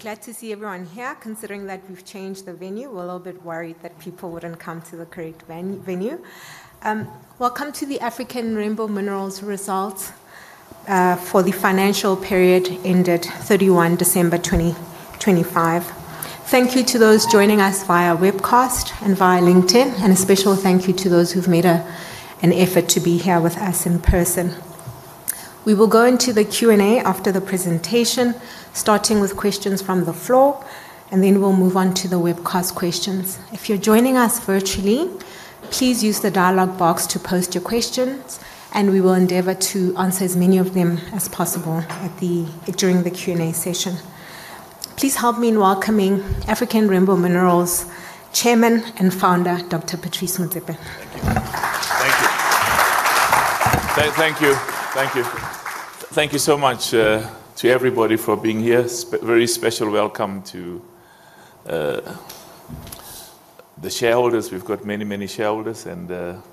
Glad to see everyone here, considering that we've changed the venue. We're a little bit worried that people wouldn't come to the correct venue. Welcome to the African Rainbow Minerals results, for the financial period ended 31 December 2025. Thank you to those joining us via webcast and via LinkedIn, and a special thank you to those who've made an effort to be here with us in person. We will go into the Q&A after the presentation, starting with questions from the floor, and then we'll move on to the webcast questions. If you're joining us virtually, please use the dialogue box to post your questions, and we will endeavor to answer as many of them as possible during the Q&A session. Please help me in welcoming African Rainbow Minerals Chairman and Founder, Dr Patrice Motsepe. Thank you. Thank you. Thank you. Thank you so much to everybody for being here. Very special welcome to the shareholders. We've got many, many shareholders and the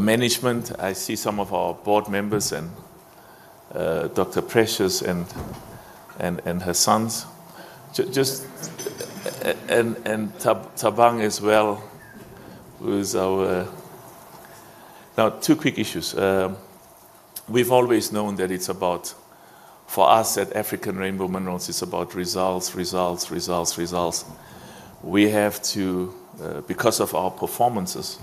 management. I see some of our board members and Precious Moloi-Motsepe and her sons. Just and Thabang as well, who's our... Now, two quick issues. We've always known that it's about, for us at African Rainbow Minerals, it's about results, results. We have to, because of our performances,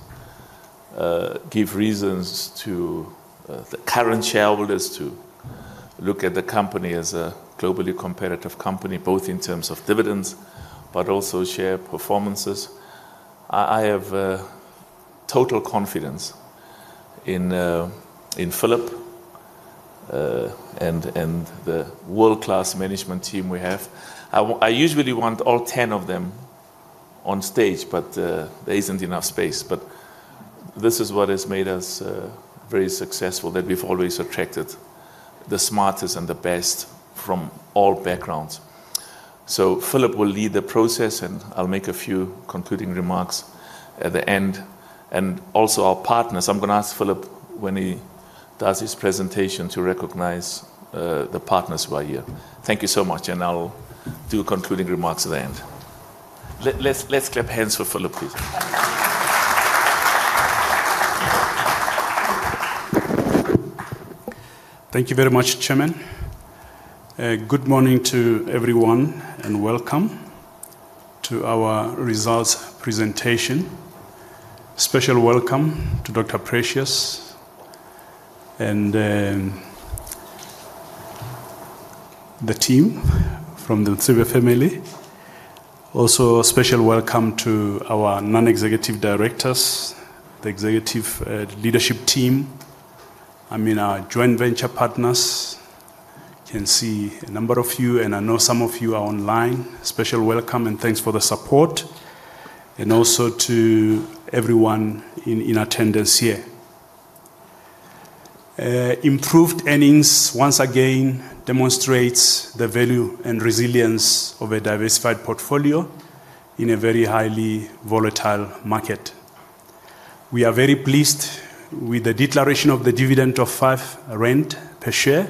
give reasons to the current shareholders to look at the company as a globally competitive company, both in terms of dividends, but also share performances. I have total confidence in Phillip and the world-class management team we have. I usually want all 10 of them on stage, but there isn't enough space. This is what has made us very successful, that we've always attracted the smartest and the best from all backgrounds. Phillip will lead the process, and I'll make a few concluding remarks at the end. Also, our partners, I'm gonna ask Phillip, when he does his presentation, to recognize the partners who are here. Thank you so much, and I'll do concluding remarks at the end. Let's clap hands for Phillip, please. Thank you very much, Chairman. Good morning to everyone, and welcome to our results presentation. Special welcome to Dr Precious and the team from the Ntshweva family. Also, a special welcome to our non-executive directors, the executive leadership team. I mean, our joint venture partners can see a number of you, and I know some of you are online. Special welcome and thanks for the support and also to everyone in attendance here. Improved earnings once again demonstrates the value and resilience of a diversified portfolio in a very highly volatile market. We are very pleased with the declaration of the dividend of 5 per share,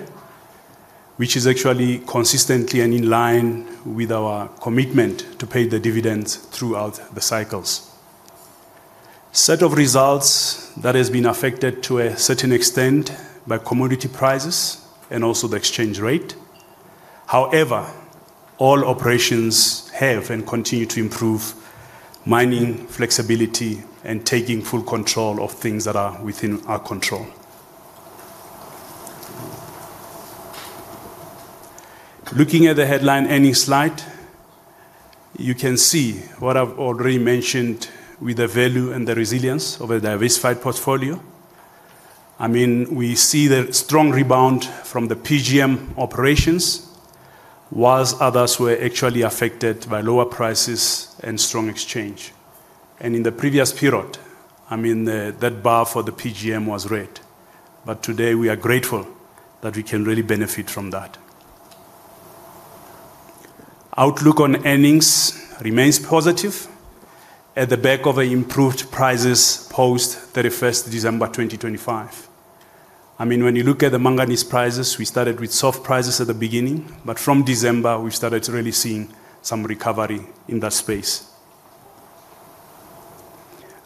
which is actually consistently and in line with our commitment to pay the dividends throughout the cycles. Set of results that has been affected to a certain extent by commodity prices and also the exchange rate. However, all operations have and continue to improve mining flexibility and taking full control of things that are within our control. Looking at the headline earnings slide, you can see what I've already mentioned with the value and the resilience of a diversified portfolio. I mean, we see the strong rebound from the PGM operations, whilst others were actually affected by lower prices and strong exchange. I mean, that bar for the PGM was red. Today, we are grateful that we can really benefit from that. Outlook on earnings remains positive at the back of a improved prices post 31st December, 2025. I mean, when you look at the manganese prices, we started with soft prices at the beginning, but from December, we started to really seeing some recovery in that space.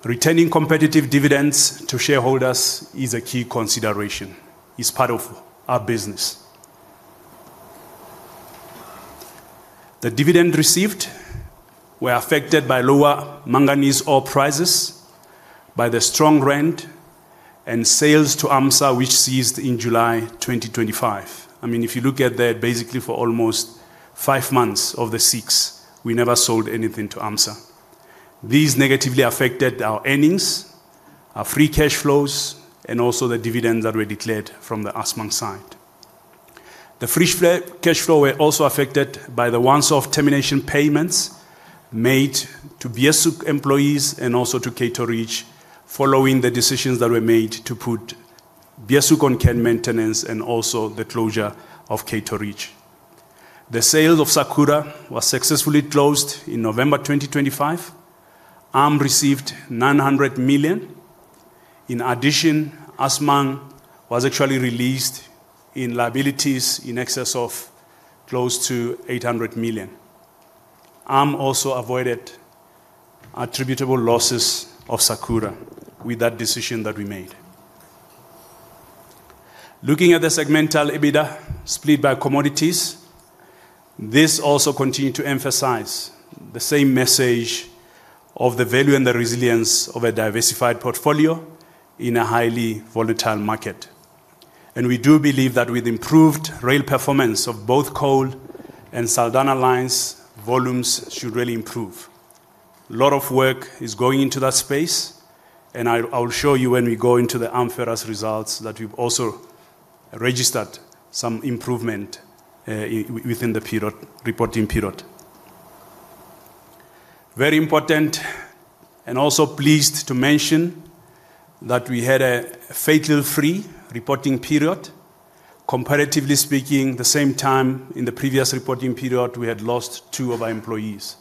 Returning competitive dividends to shareholders is a key consideration, is part of our business. The dividend received were affected by lower manganese ore prices, by the strong rand and sales to AMSA, which ceased in July 2025. I mean, if you look at that, basically for almost five months of the six, we never sold anything to AMSA. These negatively affected our earnings, our free cash flows, and also the dividends that were declared from the Assmang side. The free cash flow were also affected by the once-off termination payments made to Biyesu employees and also to Cato Ridge following the decisions that were made to put Biyesu on care and maintenance and also the closure of Cato Ridge. The sale of Sakura was successfully closed in November 2025. ARM received ZAR 900 million. Assmang was actually released in liabilities in excess of close to 800 million. ARM also avoided attributable losses of Sakura with that decision that we made. Looking at the segmental EBITDA split by commodities, this also continued to emphasize the same message of the value and the resilience of a diversified portfolio in a highly volatile market. We do believe that with improved rail performance of both coal and Saldanha lines, volumes should really improve. Lot of work is going into that space. I'll show you when we go into the ARM Ferrous results that we've also registered some improvement within the period, reporting period. Very important and also pleased to mention that we had a fatal-free reporting period. Comparatively speaking, the same time in the previous reporting period, we had lost two of our employees.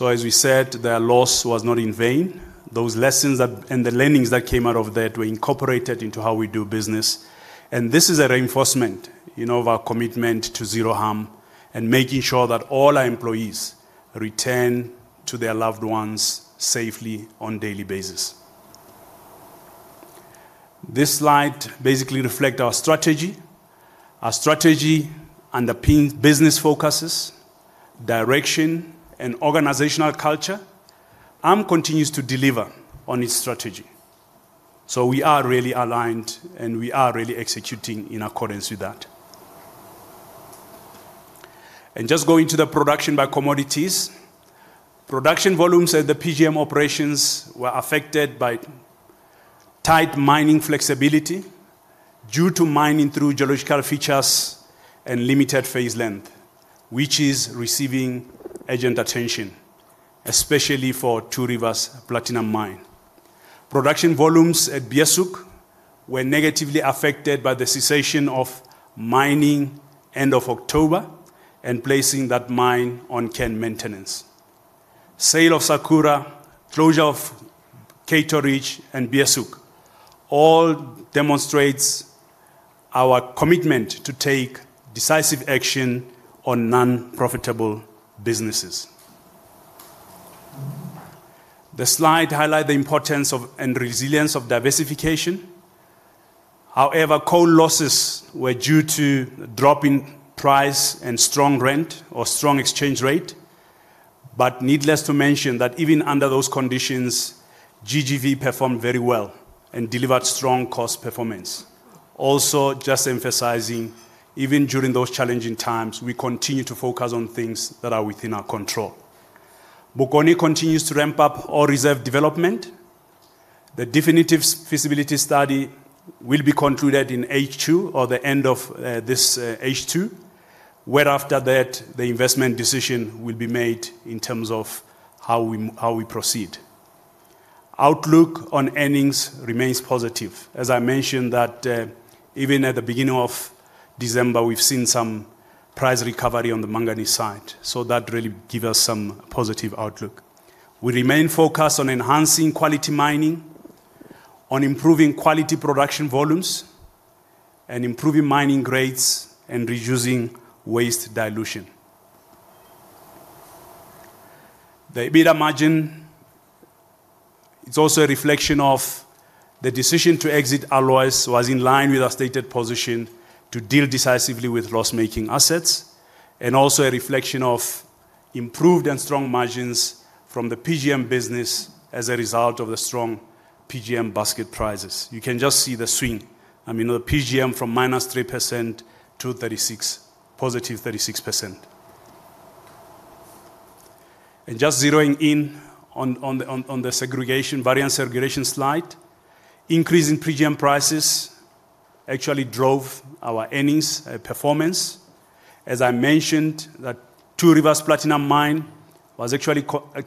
As we said, their loss was not in vain. Those lessons and the learnings that came out of that were incorporated into how we do business. This is a reinforcement, you know, of our commitment to zero harm and making sure that all our employees return to their loved ones safely on daily basis. This slide basically reflect our strategy. Our strategy underpins business focuses, direction, and organizational culture. ARM continues to deliver on its strategy. We are really aligned, and we are really executing in accordance with that. Just going to the production by commodities. Production volumes at the PGM operations were affected by tight mining flexibility due to mining through geological features and limited phase length, which is receiving urgent attention, especially for Two Rivers Platinum Mine. Production volumes at Beeshoek were negatively affected by the cessation of mining end of October and placing that mine on care and maintenance. Sale of Sakura, closure of Cato Ridge and Nkomati all demonstrate our commitment to take decisive action on non-profitable businesses. The slide highlights the importance of and resilience of diversification. Coal losses were due to drop in price and strong rand or strong exchange rate. Needless to mention that even under those conditions, GGV performed very well and delivered strong cost performance. Just emphasizing, even during those challenging times, we continue to focus on things that are within our control. Bokoni continues to ramp up ore reserve development. The definitive feasibility study will be concluded in H2 or the end of this H2, whereafter that, the investment decision will be made in terms of how we proceed. Outlook on earnings remains positive. I mentioned that, even at the beginning of December, we've seen some price recovery on the manganese side, that really give us some positive outlook. We remain focused on enhancing quality mining, on improving quality production volumes, and improving mining grades and reducing waste dilution. The EBITDA margin, it's also a reflection of the decision to exit alloys was in line with our stated position to deal decisively with loss-making assets and also a reflection of improved and strong margins from the PGM business as a result of the strong PGM basket prices. You can just see the swing. I mean, the PGM from -3% to 36, +36%. Just zeroing in on the segregation, variance segregation slide. Increase in PGM prices actually drove our earnings performance. As I mentioned that Two Rivers Platinum Mine was actually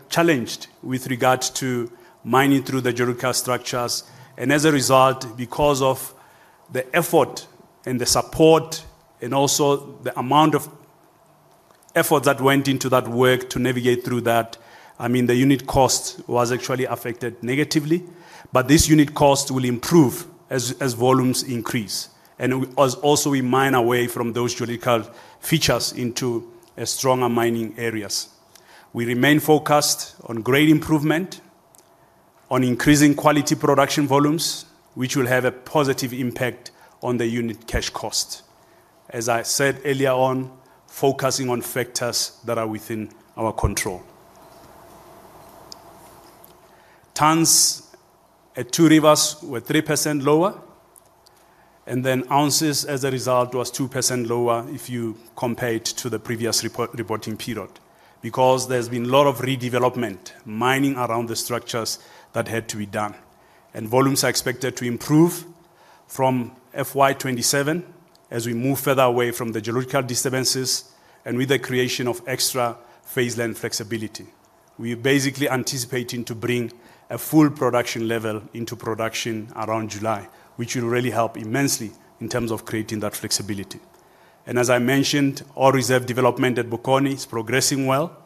challenged with regard to mining through the geological structures. As a result, because of the effort and the support and also the amount of effort that went into that work to navigate through that, I mean, the unit cost was actually affected negatively. This unit cost will improve as volumes increase, as also we mine away from those geological features into stronger mining areas. We remain focused on grade improvement, on increasing quality production volumes, which will have a positive impact on the unit cash cost. As I said earlier on, focusing on factors that are within our control. Tonnes at Two Rivers were 3% lower. Ounces as a result was 2% lower if you compare it to the previous reporting period, because there's been a lot of redevelopment, mining around the structures that had to be done. Volumes are expected to improve from FY 2027 as we move further away from the geological disturbances and with the creation of extra phase land flexibility. We're basically anticipating to bring a full production level into production around July, which will really help immensely in terms of creating that flexibility. As I mentioned, ore reserve development at Bokoni is progressing well.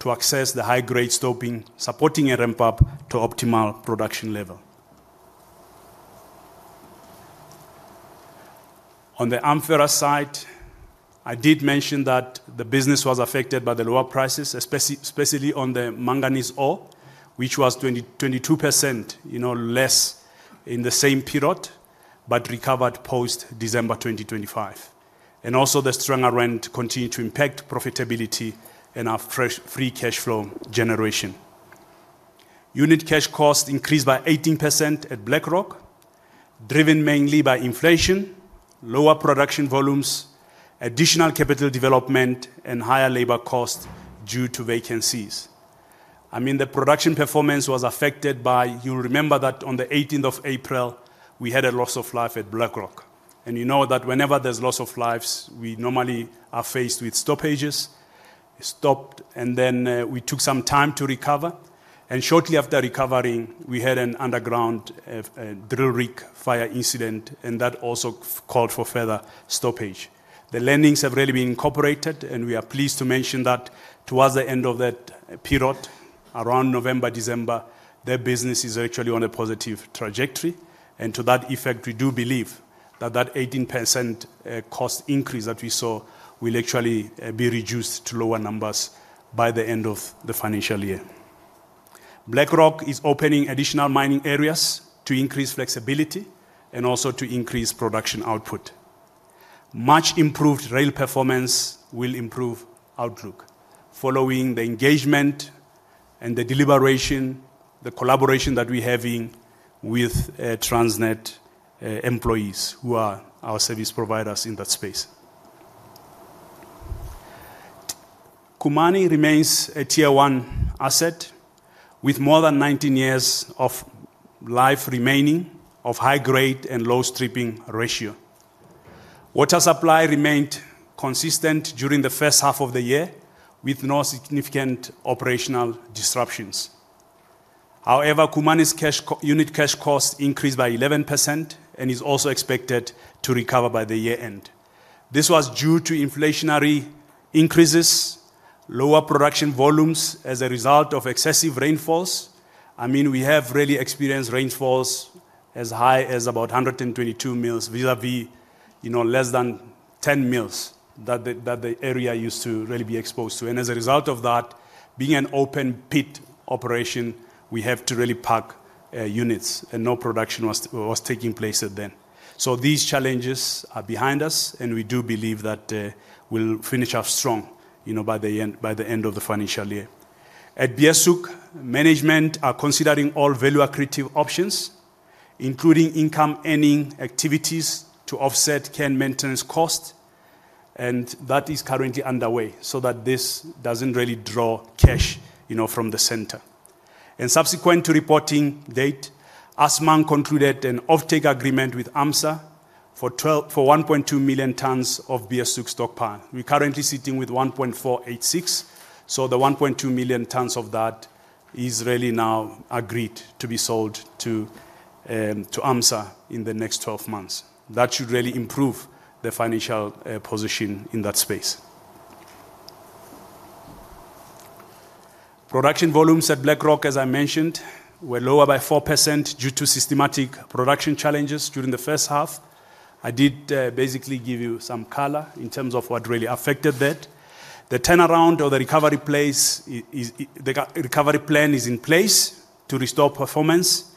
To access the high-grade stopping, supporting a ramp up to optimal production level. On the ARM Ferrous site, I did mention that the business was affected by the lower prices, especially on the manganese ore, which was 20%-22%, you know, less in the same period, but recovered post-December 2025. Also the stronger rand continued to impact profitability and our free cash flow generation. Unit cash costs increased by 18% at Black Rock, driven mainly by inflation, lower production volumes, additional capital development and higher labor costs due to vacancies. I mean, the production performance was affected by... You remember that on the 18th of April, we had a loss of life at Black Rock. You know that whenever there's loss of lives, we normally are faced with stoppages. Stopped. Then we took some time to recover. Shortly after recovering, we had an underground drill rig fire incident, and that also called for further stoppage. The learnings have really been incorporated, and we are pleased to mention that towards the end of that period, around November, December, their business is actually on a positive trajectory. To that effect, we do believe that that 18% cost increase that we saw will actually be reduced to lower numbers by the end of the financial year. Black Rock is opening additional mining areas to increase flexibility and also to increase production output. Much improved rail performance will improve outlook following the engagement and the deliberation, the collaboration that we're having with Transnet employees who are our service providers in that space. Khumani remains a tier one asset with more than 19 years of life remaining of high grade and low stripping ratio. Water supply remained consistent during the first half of the year with no significant operational disruptions. Khumani's unit cash costs increased by 11% and is also expected to recover by the year-end. This was due to inflationary increases, lower production volumes as a result of excessive rainfalls. I mean, we have really experienced rainfalls as high as about 122 mils vis-à-vis, you know, less than 10 mils that the area used to really be exposed to. As a result of that, being an open pit operation, we have to really park units, and no production was taking place then. These challenges are behind us, and we do believe that we'll finish off strong, you know, by the end of the financial year. At Beeshoek, management are considering all value accretive options, including income-earning activities to offset care and maintenance costs, and that is currently underway so that this doesn't really draw cash, you know, from the center. Subsequent to reporting date, Assmang concluded an offtake agreement with AMSA for 1.2 million tonnes of Beeshoek stockpile. We're currently sitting with 1.486 million tonnes, so the 1.2 million tonnes of that is really now agreed to be sold to AMSA in the next 12 months. That should really improve the financial position in that space. Production volumes at Black Rock, as I mentioned, were lower by 4% due to systematic production challenges during the first half. I did basically give you some color in terms of what really affected that. The turnaround or the recovery plan is in place to restore performance,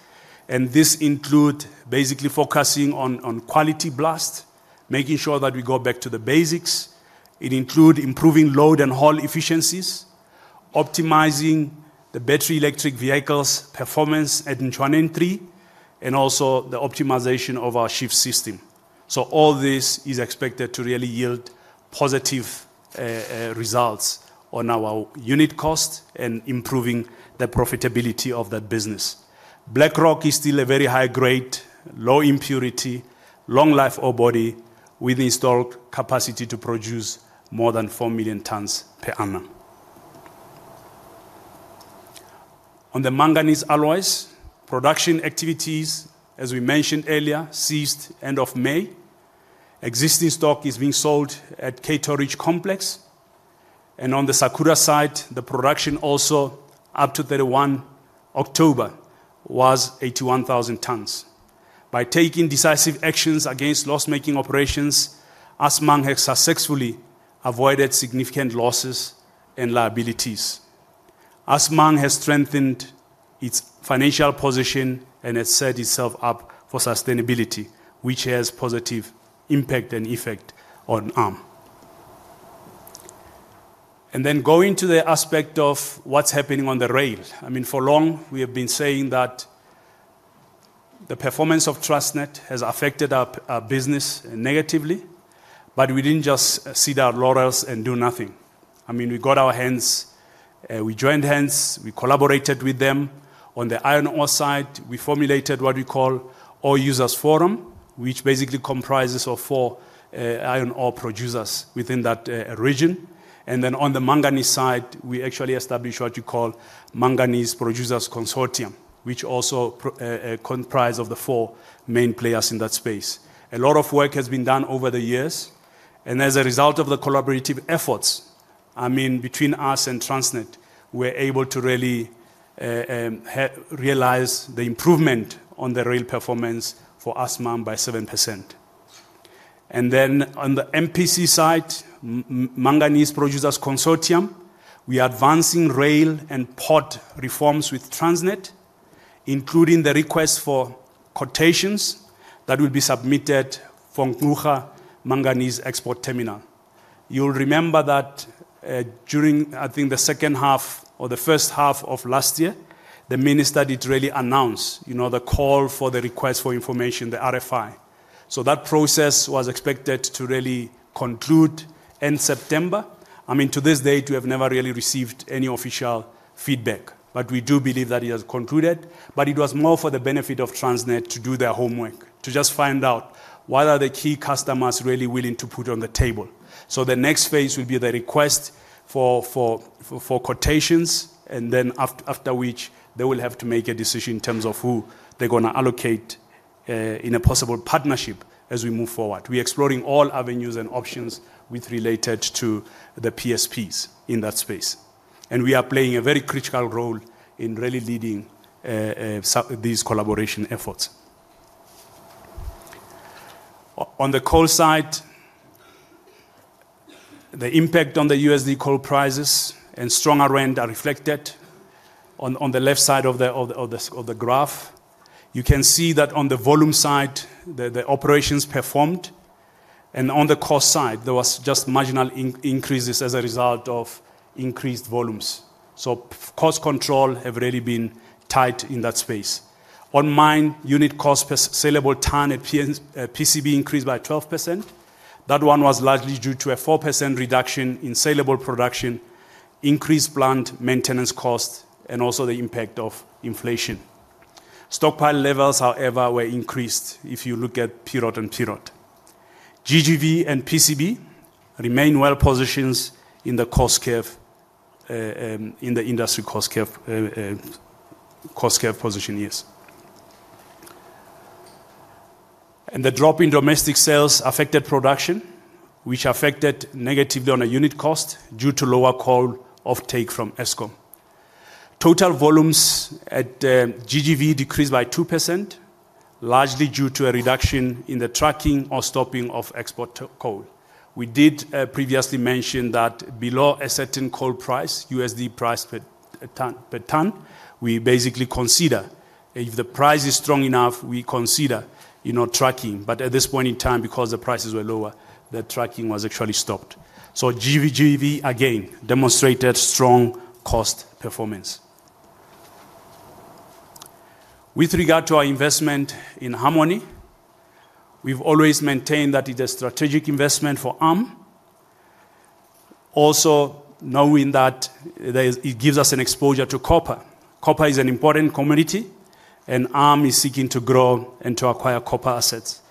and this include basically focusing on quality blast, making sure that we go back to the basics. It include improving load and haul efficiencies, optimizing the battery electric vehicles' performance at Nchwaneng 3, and also the optimization of our shift system. All this is expected to really yield positive results on our unit cost and improving the profitability of that business. Black Rock is still a very high grade, low impurity, long life ore body with installed capacity to produce more than 4 million tonnes per annum. On the manganese alloys, production activities, as we mentioned earlier, ceased end of May. Existing stock is being sold at Cato Ridge Complex. On the Sakura site, the production also up to 31 October was 81,000 tons. By taking decisive actions against loss-making operations, Assmang has successfully avoided significant losses and liabilities. Assmang has strengthened its financial position and has set itself up for sustainability, which has positive impact and effect on ARM. Going to the aspect of what's happening on the rail. I mean, for long, we have been saying that the performance of Transnet has affected our business negatively, but we didn't just sit our laurels and do nothing. I mean, we joined hands, we collaborated with them. On the iron ore site, we formulated what we call Ore Users Forum, which basically comprises of four iron ore producers within that region. On the manganese side, we actually established what you call Manganese Producers Consortium, which also comprise of the four main players in that space. A lot of work has been done over the years. As a result of the collaborative efforts, I mean, between us and Transnet, we are able to really realize the improvement on the rail performance for us, Ma'am, by 7%. On the MPC side, Manganese Producers Consortium, we are advancing rail and port reforms with Transnet, including the request for quotations that will be submitted from Ngqura Manganese Export Terminal. You'll remember that, during, I think the 2nd half or the 1st half of last year, the minister did really announce, you know, the call for the request for information, the RFI. That process was expected to really conclude in September. I mean, to this date, we have never really received any official feedback, but we do believe that it has concluded. It was more for the benefit of Transnet to do their homework, to just find out what are the key customers really willing to put on the table. The next phase will be the request for quotations, and then after which they will have to make a decision in terms of who they're gonna allocate in a possible partnership as we move forward. We're exploring all avenues and options with related to the PSPs in that space. We are playing a very critical role in really leading these collaboration efforts. On the coal side, the impact on the USD coal prices and stronger rand are reflected on the left side of the graph. You can see that on the volume side, the operations performed, and on the cost side, there was just marginal increases as a result of increased volumes. Cost control have really been tight in that space. On mine, unit cost per saleable ton at PCB increased by 12%. That one was largely due to a 4% reduction in saleable production, increased plant maintenance costs, and also the impact of inflation. Stockpile levels, however, were increased if you look at period and period. GGV and PCB remain well-positioned in the industry cost curve position, yes. The drop in domestic sales affected production, which affected negatively on a unit cost due to lower coal offtake from Eskom. Total volumes at GGV decreased by 2%, largely due to a reduction in the trucking or stopping of export to coal. We did previously mention that below a certain coal price, USD price per ton, we basically consider if the price is strong enough, we consider, you know, trucking. At this point in time, because the prices were lower, the trucking was actually stopped. GGV, again, demonstrated strong cost performance. With regard to our investment in Harmony, we've always maintained that it's a strategic investment for ARM. Also, knowing that it gives us an exposure to copper. Copper is an important commodity. ARM is seeking to grow and to acquire copper assets.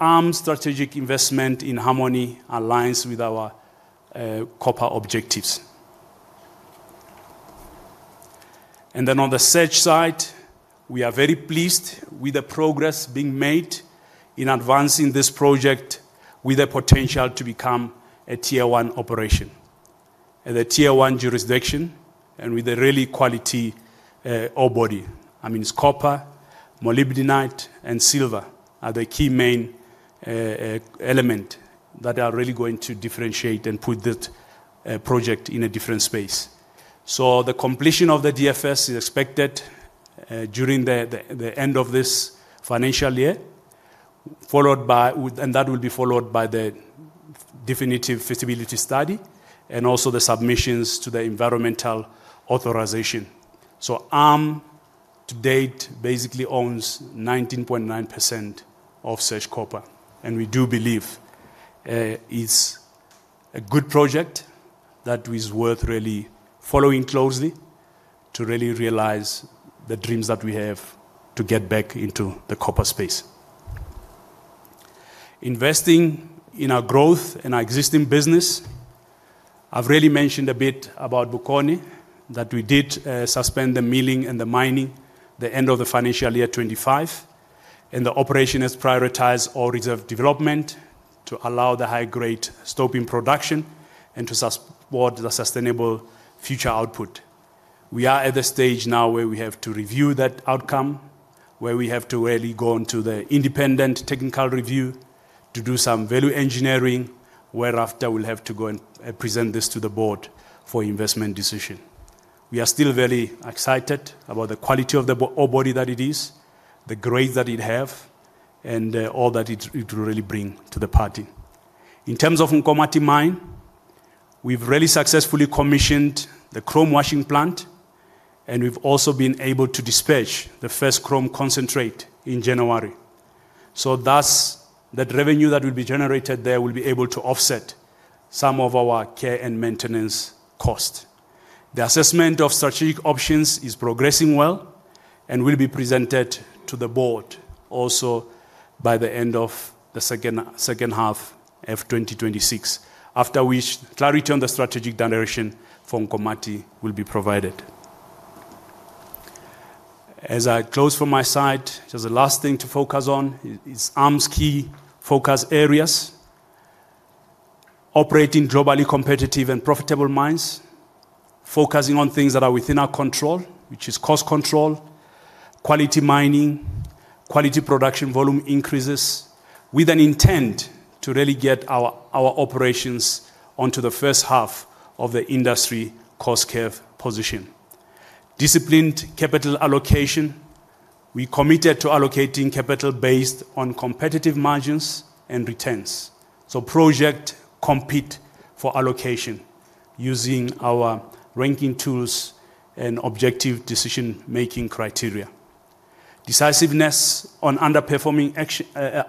ARM's strategic investment in Harmony aligns with our copper objectives. On the search side, we are very pleased with the progress being made in advancing this project with the potential to become a tier one operation. The tier one jurisdiction and with a really quality ore body. I mean, it's copper, molybdenite, and silver are the key main element that are really going to differentiate and put that project in a different space. The completion of the DFS is expected during the end of this financial year, and that will be followed by the definitive feasibility study and also the submissions to the environmental authorization. ARM to date basically owns 19.9% of Surge Copper, and we do believe it's a good project that is worth really following closely to really realize the dreams that we have to get back into the copper space. Investing in our growth, in our existing business, I've really mentioned a bit about Bokoni, that we did suspend the milling and the mining the end of the financial year 25, and the operation has prioritized ore reserve development to allow the high-grade stoping production and to support the sustainable future output. We are at the stage now where we have to review that outcome, where we have to really go into the independent technical review to do some value engineering, whereafter we'll have to go and present this to the board for investment decision. We are still very excited about the quality of the ore body that it is, the grades that it have, and all that it will really bring to the party. In terms of Nkomati Mine, we've really successfully commissioned the chrome washing plant, and we've also been able to dispatch the first chrome concentrate in January. Thus, the revenue that will be generated there will be able to offset some of our care and maintenance cost. The assessment of strategic options is progressing well and will be presented to the board also by the end of the second half F-2026, after which clarity on the strategic direction for Nkomati will be provided. As I close from my side, just the last thing to focus on is ARM's key focus areas. Operating globally competitive and profitable mines, focusing on things that are within our control, which is cost control, quality mining, quality production volume increases with an intent to really get our operations onto the first half of the industry cost curve position. Disciplined capital allocation. We committed to allocating capital based on competitive margins and returns. Project compete for allocation using our ranking tools and objective decision-making criteria. Decisiveness on underperforming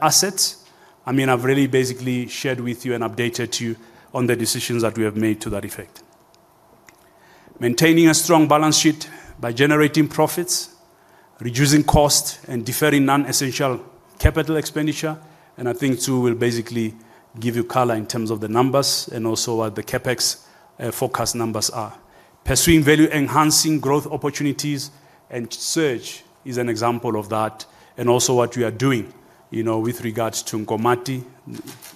assets. I mean, I've really basically shared with you and updated you on the decisions that we have made to that effect. Maintaining a strong balance sheet by generating profits, reducing costs, and deferring non-essential capital expenditure. I think Tsu will basically give you color in terms of the numbers and also what the CapEx forecast numbers are. Pursuing value-enhancing growth opportunities, and Surge is an example of that, and also what we are doing, you know, with regards to Nkomati,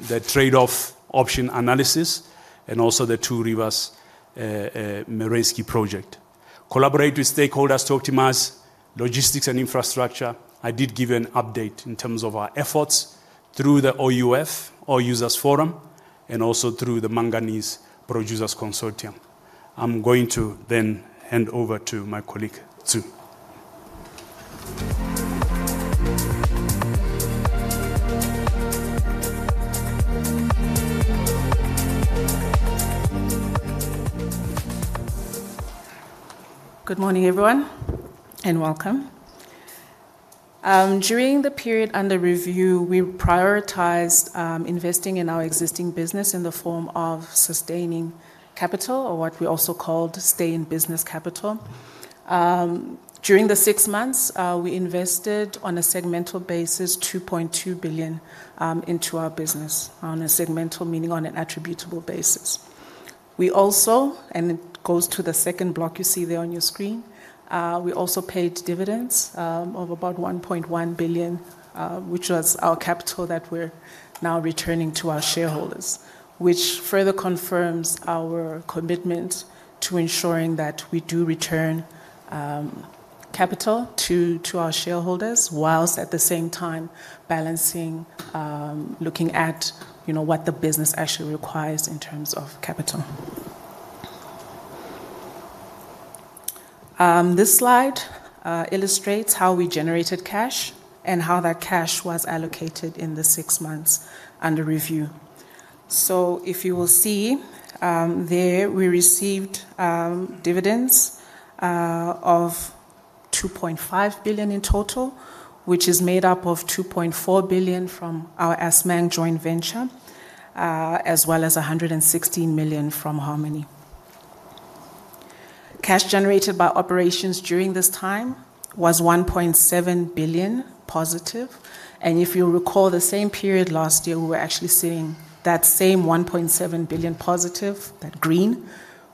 the trade-off option analysis, and also the Two Rivers Merensky project. Collaborate with stakeholders to optimize logistics and infrastructure. I did give you an update in terms of our efforts through the OUF, Ore Users Forum, and also through the Manganese Producers Consortium. I'm going to then hand over to my colleague, Tsu. Good morning, everyone, and welcome. During the period under review, we prioritized investing in our existing business in the form of sustaining capital or what we also called stay in business capital. During the six months, we invested on a segmental basis 2.2 billion into our business on a segmental, meaning on an attributable basis. We also, and it goes to the second block you see there on your screen, we also paid dividends of about 1.1 billion, which was our capital that we're now returning to our shareholders, which further confirms our commitment to ensuring that we do return capital to our shareholders whilst at the same time balancing, looking at, you know, what the business actually requires in terms of capital. This slide illustrates how we generated cash and how that cash was allocated in the six months under review. If you will see, there we received dividends of 2.5 billion in total, which is made up of 2.4 billion from our Assmang joint venture, as well as 116 million from Harmony. Cash generated by operations during this time was 1.7 billion positive. If you'll recall the same period last year, we were actually seeing that same 1.7 billion positive, that green.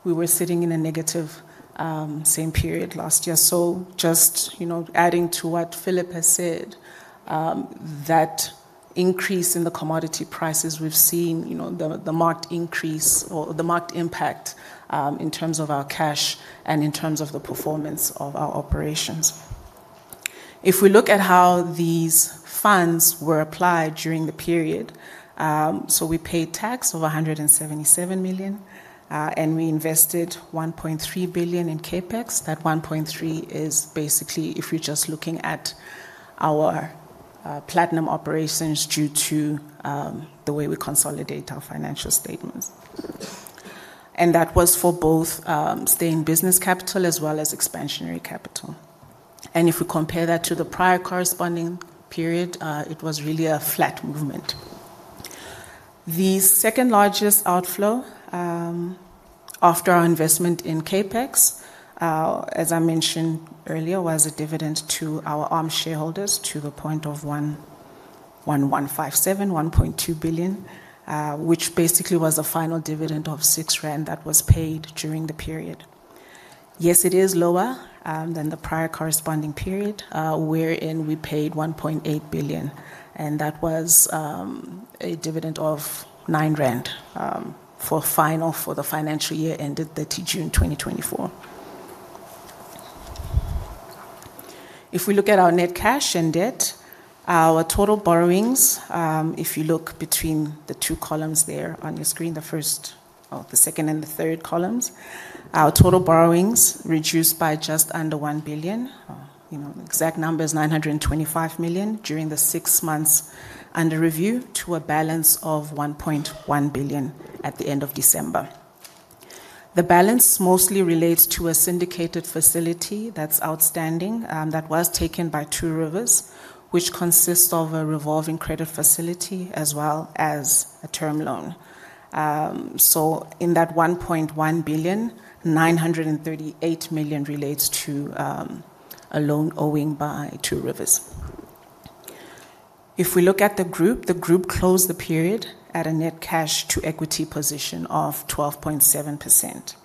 We were sitting in a negative, same peri`12sod last year. just, you know, adding to what Phillip has said, that increase in the commodity prices we've seen, you know, the marked increase or the marked impact in terms of our cash and in terms of the performance of our operations. If we look at how these funds were applied during the period, we paid tax of 177 million and we invested 1.3 billion in CapEx. That 1.3 is basically if you're just looking at our platinum operations due to the way we consolidate our financial statements. That was for both stay in business capital as well as expansionary capital. If we compare that to the prior corresponding period, it was really a flat movement. The second-largest outflow, after our investment in CapEx, as I mentioned earlier, was a dividend to our ARM shareholders to the point of 1.2 billion, which basically was a final dividend of 6 rand that was paid during the period. Yes, it is lower than the prior corresponding period, wherein we paid 1.8 billion, and that was a dividend of 9 rand for the financial year ended 30 June 2024. If we look at our net cash and debt, our total borrowings, if you look between the two columns there on your screen, the first... The second and the third columns, our total borrowings reduced by just under 1 billion, you know, exact number is 925 million during the six months under review to a balance of 1.1 billion at the end of December. The balance mostly relates to a syndicated facility that's outstanding, that was taken by Two Rivers, which consists of a revolving credit facility as well as a term loan. In that 1.1 billion, 938 million relates to a loan owing by Two Rivers. If we look at the group, the group closed the period at a net cash to equity position of 12.7%.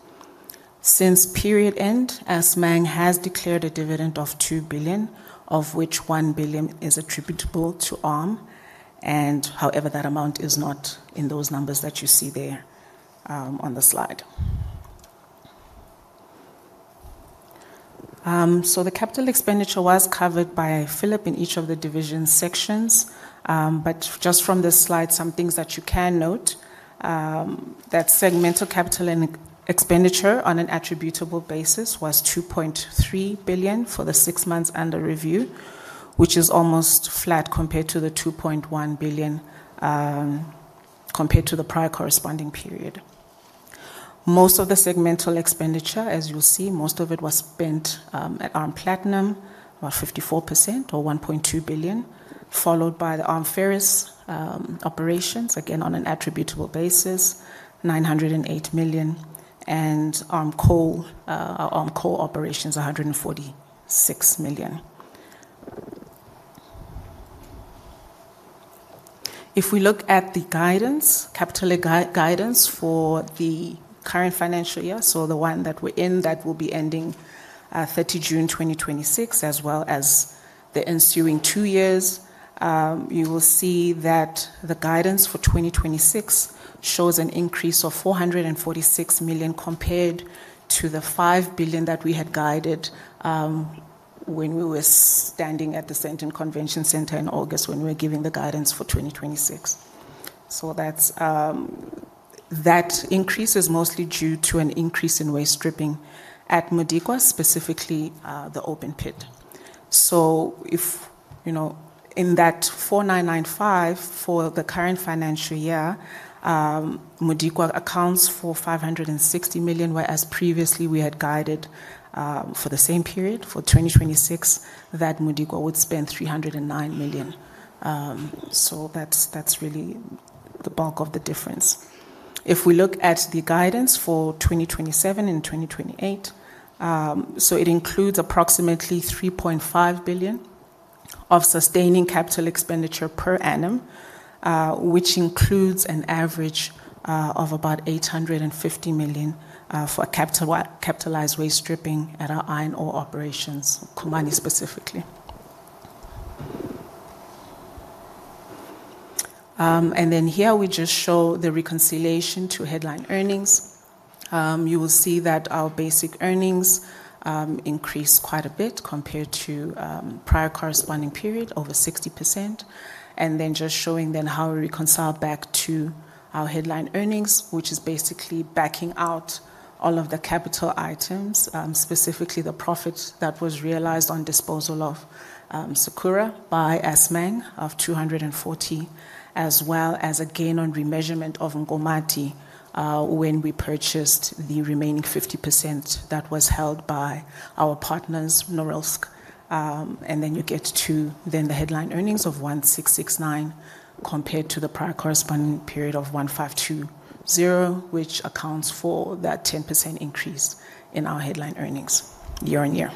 Since period end, Assmang has declared a dividend of 2 billion, of which 1 billion is attributable to ARM, however, that amount is not in those numbers that you see there on the slide. The capital expenditure was covered by Phillip in each of the division sections. Just from this slide, some things that you can note that segmental capital and expenditure on an attributable basis was 2.3 billion for the 6 months under review, which is almost flat compared to 2.1 billion compared to the prior corresponding period. Most of the segmental expenditure, as you'll see, most of it was spent at ARM Platinum, about 54% or 1.2 billion, followed by the ARM Ferrous operations, again, on an attributable basis, 908 million, and ARM Coal, our ARM Coal operations, ZAR 146 million. If we look at the capital guidance for the current financial year, so the one that we're in that will be ending 30 June 2026, as well as the ensuing two years, you will see that the guidance for 2026 shows an increase of 446 million compared to the 5 billion that we had guided when we were standing at the Sandton Convention Center in August when we were giving the guidance for 2026. That increase is mostly due to an increase in waste stripping at Modikwa, specifically, the open pit. If, you know, in that 4,995 for the current financial year, Modikwa accounts for 560 million, whereas previously we had guided for the same period for 2026 that Modikwa would spend 309 million. That's really the bulk of the difference. If we look at the guidance for 2027 and 2028, it includes approximately 3.5 billion of sustaining capital expenditure per annum, which includes an average of about 850 million for capitalized waste stripping at our iron ore operations, Khumani specifically. Here we just show the reconciliation to headline earnings. You will see that our basic earnings increased quite a bit compared to prior corresponding period, over 60%. Just showing then how we reconcile back to our headline earnings, which is basically backing out all of the capital items, specifically the profits that was realized on disposal of Sakura by Assmang of 240, as well as a gain on remeasurement of Nkomati when we purchased the remaining 50% that was held by our partners, Norilsk. You get to then the headline earnings of 1,669 compared to the prior corresponding period of 1,520, which accounts for that 10% increase in our headline earnings year-on-year.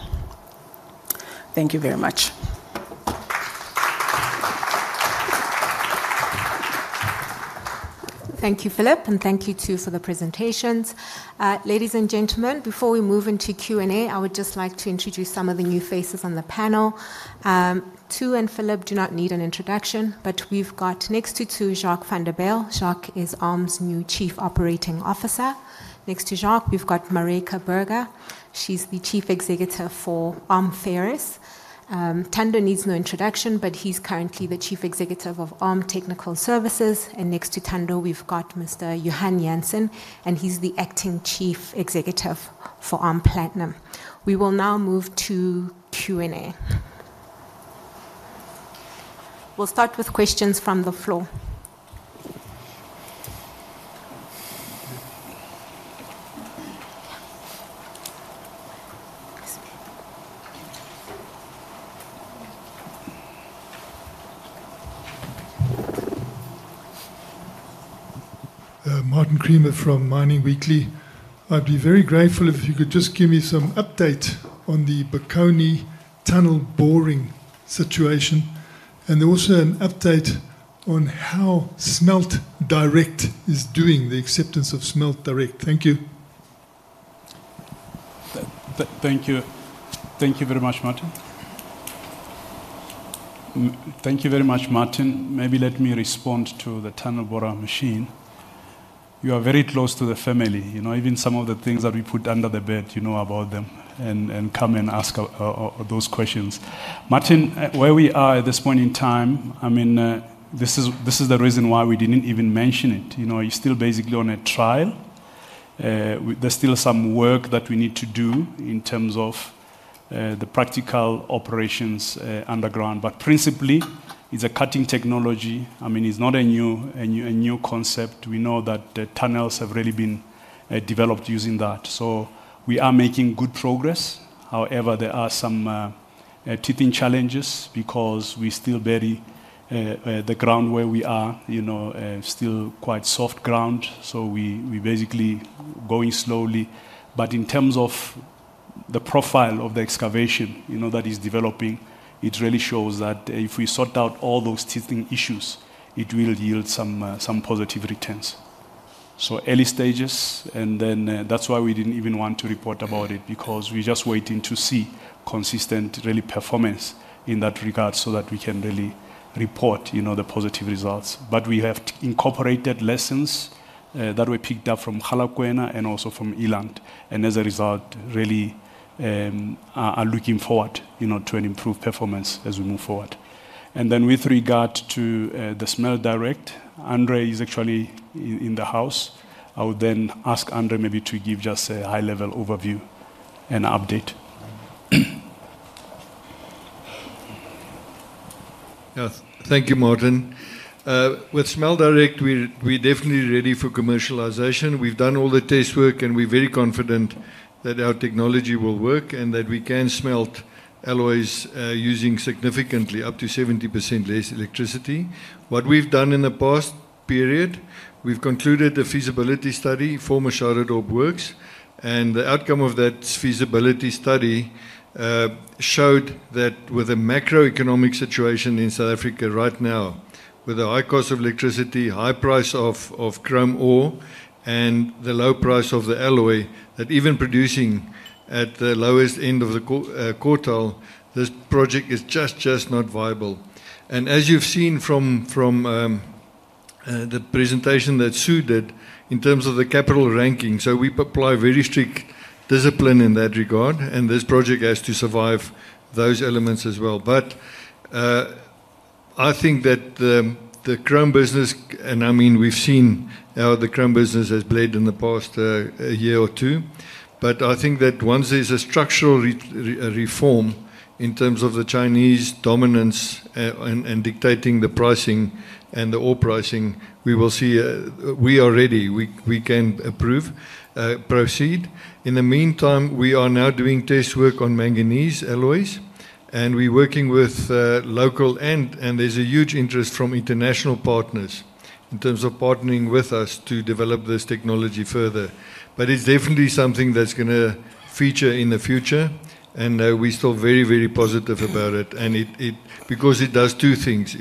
Thank you very much. Thank you, Phillip, and thank you too for the presentations. Ladies and gentlemen, before we move into Q&A, I would just like to introduce some of the new faces on the panel. Tsu and Phillip do not need an introduction, but we've got next to Tsu, Jacques van der Bijl. Jacques is ARM's new Chief Operating Officer. Next to Jacques, we've got Maryke Burger. She's the Chief Executive for ARM Ferrous. Tando needs no introduction, but he's currently the Chief Executive of ARM Technical Services. Next to Tando, we've got Mr. Johan Jansen, and he's the Acting Chief Executive for ARM Platinum. We will now move to Q&A. We'll start with questions from the floor. Martin Creamer from Mining Weekly. I'd be very grateful if you could just give me some update on the Bokoni tunnel boring situation. Also an update on how Smelt Direct is doing, the acceptance of Smelt Direct. Thank you. Thank you. Thank you very much, Martin. Thank you very much, Martin. Maybe let me respond to the tunnel boring machine. You are very close to the family. You know, even some of the things that we put under the bed, you know about them and come and ask those questions. Martin, where we are at this point in time, I mean, this is the reason why we didn't even mention it. You know, you're still basically on a trial. There's still some work that we need to do in terms of the practical operations underground. Principally, it's a cutting technology. I mean, it's not a new concept. We know that the tunnels have already been developed using that. We are making good progress. There are some teething challenges because we're still the ground where we are, you know, still quite soft ground, so we basically going slowly. In terms of the profile of the excavation, you know, that is developing, it really shows that if we sort out all those teething issues, it will yield some positive returns. Early stages. That's why we didn't even want to report about it because we're just waiting to see consistent really performance in that regard so that we can really report, you know, the positive results. We have incorporated lessons that we picked up from Mogalakwena and also from Eland. As a result, really, are looking forward, you know, to an improved performance as we move forward. With regard to the Smelt Direct, Andre is actually in the house. I would then ask Andre maybe to give just a high-level overview and update. Yeah. Thank you, Martin. With Smelt Direct, we're definitely ready for commercialization. We've done all the test work, and we're very confident that our technology will work and that we can smelt alloys, using significantly up to 70% less electricity. What we've done in the past period, we've concluded a feasibility study for Machadodorp Works, and the outcome of that feasibility study showed that with the macroeconomic situation in South Africa right now, with the high cost of electricity, high price of chrome ore, and the low price of the alloy, that even producing at the lowest end of the quartile, this project is just not viable. As you've seen from the presentation that did in terms of the capital ranking. We apply very strict discipline in that regard, and this project has to survive those elements as well. I think that the chrome business, and I mean, we've seen how the chrome business has bled in the past year or two. I think that once there's a structural reform in terms of the Chinese dominance, and dictating the pricing and the ore pricing, we will see. We are ready. We can approve, proceed. In the meantime, we are now doing test work on manganese alloys, and we're working with local and there's a huge interest from international partners in terms of partnering with us to develop this technology further. It's definitely something that's gonna feature in the future, and we're still very, very positive about it. Because it does two things.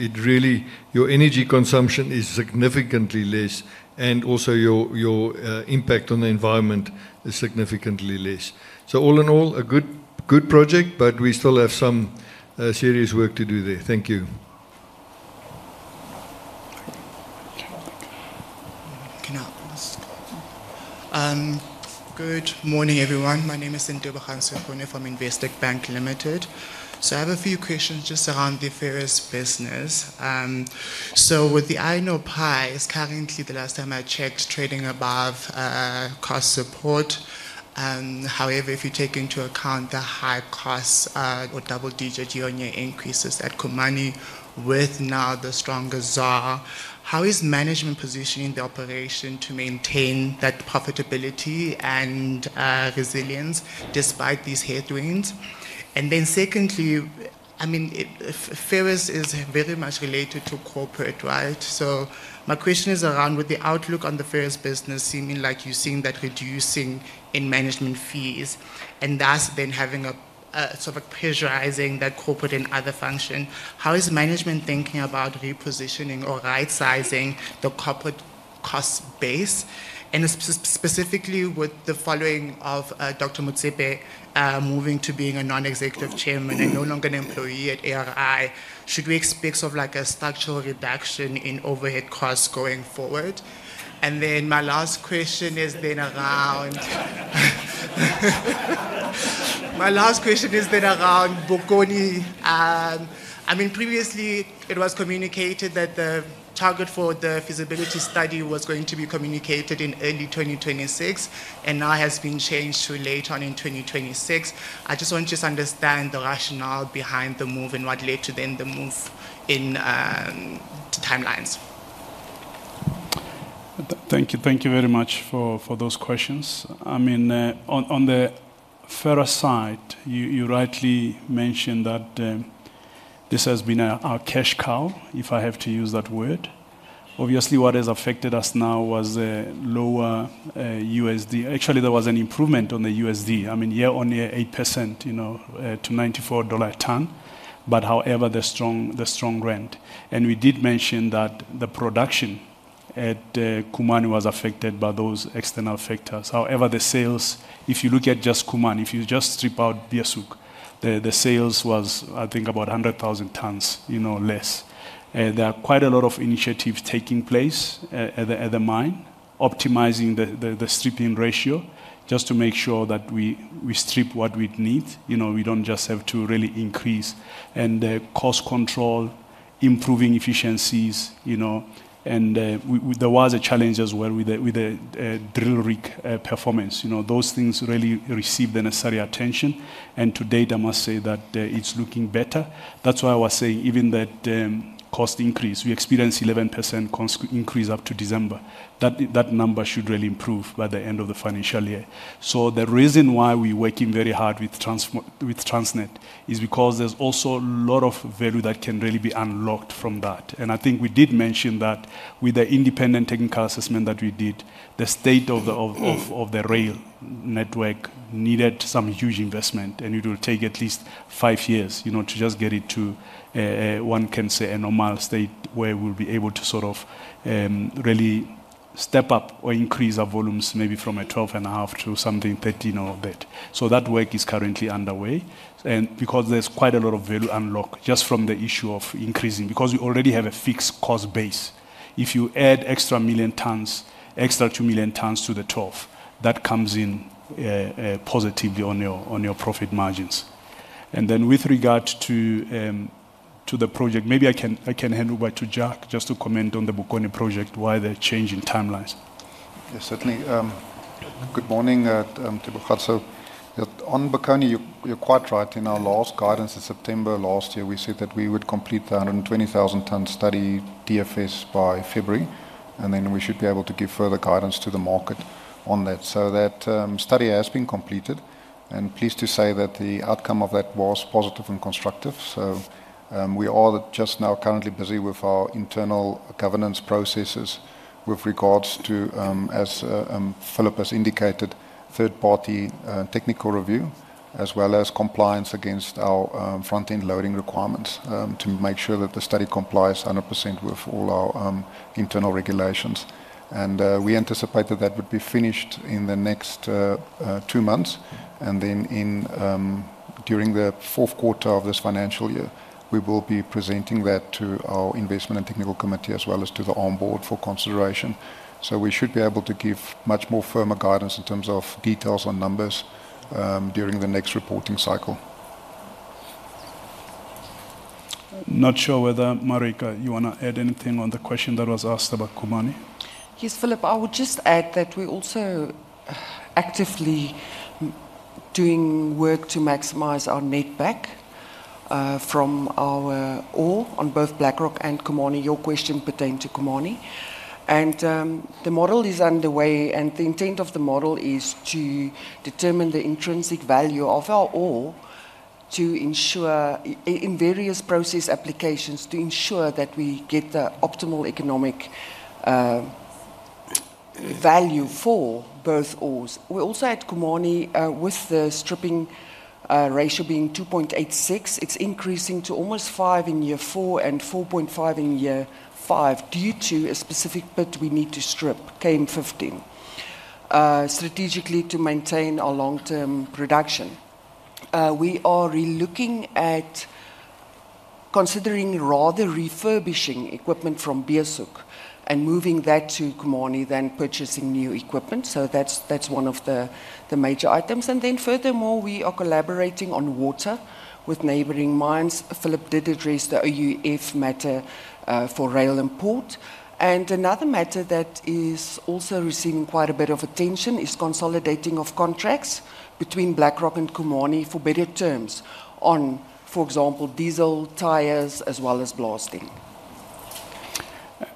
Your energy consumption is significantly less, and also your impact on the environment is significantly less. All in all, a good project, but we still have some serious work to do there. Thank you. Good morning, everyone. My name is Senthoka Sebone from Investec Bank Limited. I have a few questions just around the ferrous business. With the iron ore price, currently the last time I checked, trading above cost support. However, if you take into account the high costs, or double-digit year-on-year increases at Khumani Mine with now the stronger ZAR, how is management positioning the operation to maintain that profitability and resilience despite these headwinds? Secondly, I mean, Ferrous is very much related to corporate, right? My question is around with the outlook on the ferrous business, seeming like you're seeing that reducing in management fees, and thus then having a sort of pressurizing that corporate and other function, how is management thinking about repositioning or rightsizing the corporate cost base? Specifically with the following of Dr. Motsepe moving to being a non-executive chairman and no longer an employee at ARM, should we expect sort of like a structural reduction in overhead costs going forward? My last question is then around Bokoni. I mean, previously it was communicated that the target for the feasibility study was going to be communicated in early 2026 and now has been changed to later on in 2026. I just want to understand the rationale behind the move and what led to then the move in timelines. Thank you. Thank you very much for those questions. I mean, on the ferrous side, you rightly mentioned that this has been our cash cow, if I have to use that word. Obviously, what has affected us now was a lower USD. Actually, there was an improvement on the USD. I mean, year-on-year, 8%, you know, to $94 a ton. However, the strong rand. We did mention that the production at Khumani was affected by those external factors. However, the sales, if you look at just Khumani, if you just strip out Beeshoek, the sales was I think about 100,000 tons, you know, less. There are quite a lot of initiatives taking place at the mine, optimizing the stripping ratio, just to make sure that we strip what we need. You know, we don't just have to really increase. Cost control, improving efficiencies, you know. There was a challenge as well with the drill rig performance. You know, those things really received the necessary attention. To date, I must say that it's looking better. That's why I was saying even that cost increase, we experienced 11% increase up to December. That number should really improve by the end of the financial year. The reason why we're working very hard with Transnet is because there's also a lot of value that can really be unlocked from that. I think we did mention that with the independent technical assessment that we did, the state of the rail network needed some huge investment, and it will take at least 5 years, you know, to just get it to one can say a normal state where we'll be able to sort of, really step up or increase our volumes maybe from a 12 and a half to something 13 or that. That work is currently underway and because there's quite a lot of value unlock just from the issue of increasing, because we already have a fixed cost base. If you add extra million tons, extra 2 million tons to the 12, that comes in positively on your profit margins. With regard to the project, maybe I can hand over to Jack just to comment on the Bokoni project, why they're changing timelines. Yes, certainly. Good morning, Tebogo. On Bokoni, you're quite right. In our last guidance in September last year, we said that we would complete the 120,000 ton study DFS by February, and then we should be able to give further guidance to the market on that. That study has been completed and pleased to say that the outcome of that was positive and constructive. We are just now currently busy with our internal governance processes with regards to, as Phillip has indicated, third-party technical review, as well as compliance against our Front-End Loading requirements, to make sure that the study complies 100% with all our internal regulations. We anticipate that that would be finished in the next two months. During the fourth quarter of this financial year, we will be presenting that to our investment and technical committee as well as to the Board for consideration. We should be able to give much more firmer guidance in terms of details on numbers, during the next reporting cycle. Not sure whether, Marika, you wanna add anything on the question that was asked about Khumani? Yes, Phillip, I would just add that we're also actively doing work to maximize our net back from our ore on both Black Rock and Kumanie. Your question pertained to Kumanie. The model is underway, and the intent of the model is to determine the intrinsic value of our ore to ensure in various process applications, to ensure that we get the optimal economic value for both ores. We also had Kumanie with the stripping ratio being 2.86. It's increasing to almost 5 in year 4 and 4.5 in year 5 due to a specific bit we need to strip, KM15, strategically to maintain our long-term production. We are relooking at considering rather refurbishing equipment from Beeshoek and moving that to Kumanie than purchasing new equipment. That's one of the major items. Furthermore, we are collaborating on water with neighboring mines. Phillip did address the OUF matter for rail and port. Another matter that is also receiving quite a bit of attention is consolidating of contracts between Black Rock and Khumani for better terms on, for example, diesel, tires, as well as blasting.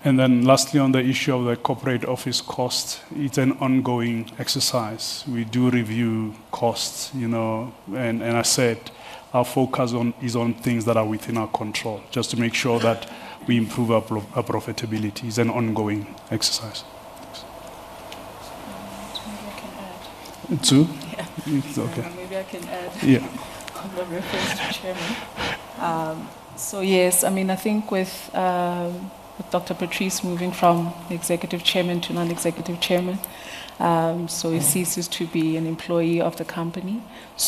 Lastly, on the issue of the corporate office cost, it's an ongoing exercise. We do review costs, you know, and I said our focus on, is on things that are within our control just to make sure that we improve our profitability is an ongoing exercise. Maybe I can add. To? Yeah. It's okay. Maybe I can add- Yeah. On the reference to chairman. yes, I mean, I think with Dr Patrice moving from executive chairman to non-executive chairman, he ceases to be an employee of the company.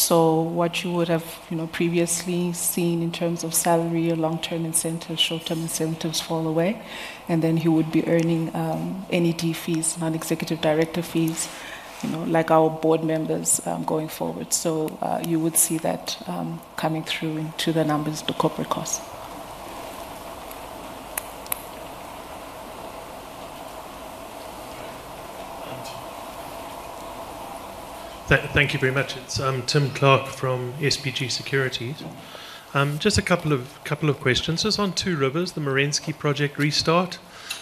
What you would have, you know, previously seen in terms of salary or long-term incentives, short-term incentives fall away. He would be earning NED fees, non-executive director fees, you know, like our board members, going forward. You would see that coming through into the numbers, the corporate costs. Thank you very much. It's Tim Clark from SBG Securities. Just a couple of questions. Just on Two Rivers, the Merensky project restart,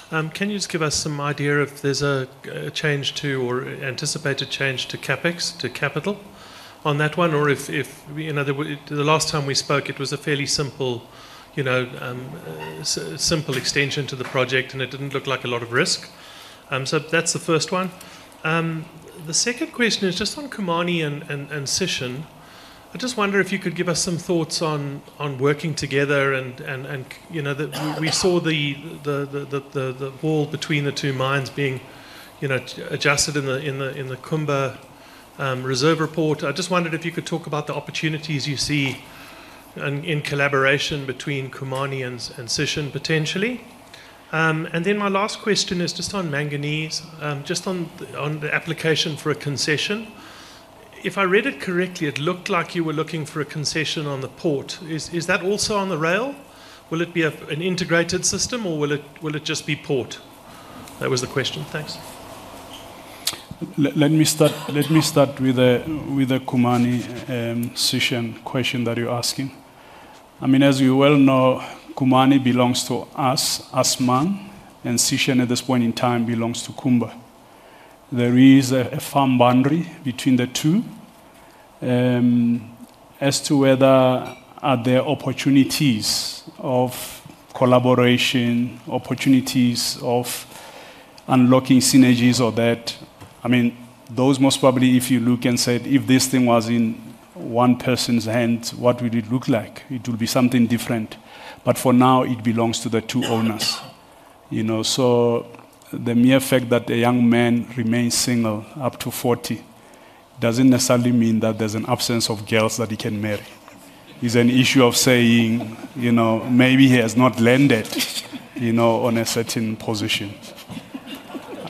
can you just give us some idea if there's a change to or anticipated change to CapEx, to capital on that one, or if, you know, the last time we spoke it was a fairly simple, you know, simple extension to the project, and it didn't look like a lot of risk. That's the first one. The second question is just on Khumani Mine and Sishen. I just wonder if you could give us some thoughts on working together and, you know, we saw the wall between the two mines being, you know, adjusted in the Kumba reserve report. I just wondered if you could talk about the opportunities you see in collaboration between Khumani Mine and Sishen potentially. My last question is just on manganese, just on the application for a concession. If I read it correctly, it looked like you were looking for a concession on the port. Is that also on the rail? Will it be an integrated system or will it just be port? That was the question. Thanks. Let me start with the Khumani, Sishen question that you're asking. I mean, as you well know, Khumani belongs to us, Assmang, and Sishen at this point in time belongs to Kumba. There is a firm boundary between the two. As to whether are there opportunities of collaboration, opportunities of unlocking synergies or that, I mean, those most probably, if you look and said, if this thing was in one person's hand, what would it look like? It will be something different. For now, it belongs to the two owners. You know, the mere fact that a young man remains single up to 40 doesn't necessarily mean that there's an absence of girls that he can marry. It's an issue of saying, you know, maybe he has not landed, you know, on a certain position.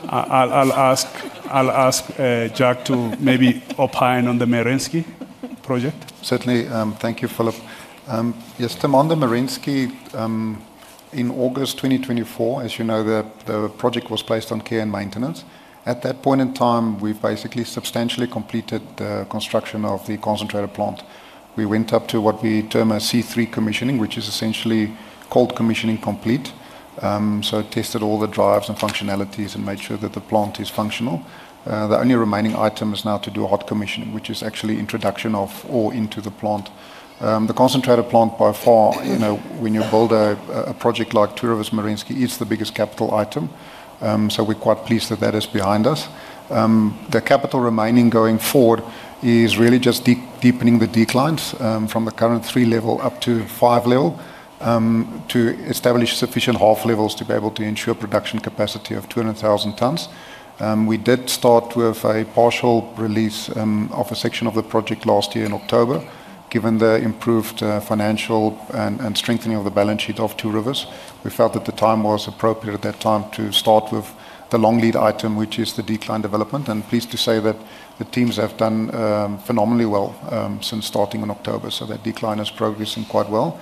I'll ask Jack to maybe opine on the Merensky Project. Certainly. Thank you, Phillip. Yes, Temanda Merensky, in August 2024, as you know, the project was placed on care and maintenance. At that point in time, we basically substantially completed the construction of the concentrated plant. We went up to what we term as C3 commissioning, which is essentially cold commissioning complete. It tested all the drives and functionalities and made sure that the plant is functional. The only remaining item is now to do a hot commissioning, which is actually introduction of ore into the plant. The concentrated plant by far, you know, when you build a project like Two Rivers Merensky, it's the biggest capital item. We're quite pleased that that is behind us. The capital remaining going forward is really just deepening the declines from the current 3 level up to 5 level to establish sufficient half levels to be able to ensure production capacity of 200,000 tons. We did start with a partial release of a section of the project last year in October. Given the improved financial and strengthening of the balance sheet of Two Rivers, we felt that the time was appropriate at that time to start with the long lead item, which is the decline development. Pleased to say that the teams have done phenomenally well since starting in October, so that decline is progressing quite well.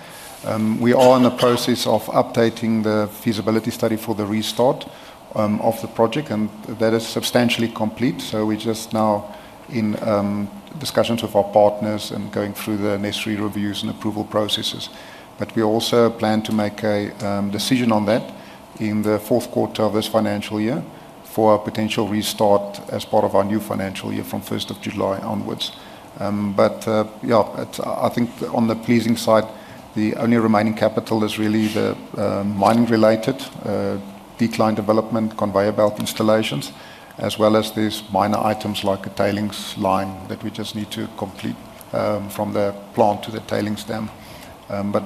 We are in the process of updating the feasibility study for the restart of the project, that is substantially complete. We're just now in discussions with our partners and going through the necessary reviews and approval processes. We also plan to make a decision on that in the fourth quarter of this financial year for a potential restart as part of our new financial year from first of July onwards. I think on the pleasing side, the only remaining capital is really the mining-related decline development conveyor belt installations, as well as these minor items like a tailings line that we just need to complete from the plant to the tailings dam.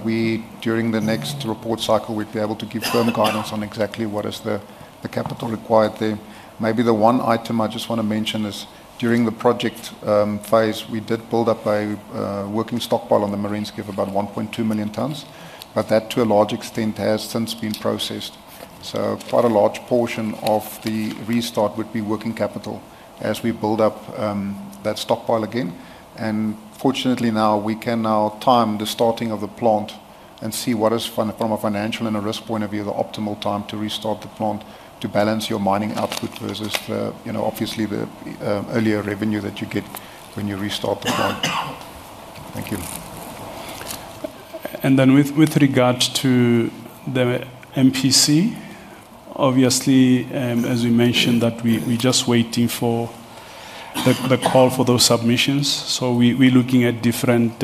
We, during the next report cycle, we'll be able to give firmer guidance on exactly what is the capital required there. Maybe the one item I just wanna mention is during the project phase, we did build up a working stockpile on the Merensky of about 1.2 million tons. That to a large extent has since been processed. Quite a large portion of the restart would be working capital as we build up that stockpile again. Fortunately, now we can now time the starting of the plant and see what is from a financial and a risk point of view, the optimal time to restart the plant to balance your mining output versus the, you know, obviously the earlier revenue that you get when you restart the plant. Thank you. With regard to the MPC, obviously, as we mentioned that we just waiting for the call for those submissions. We looking at different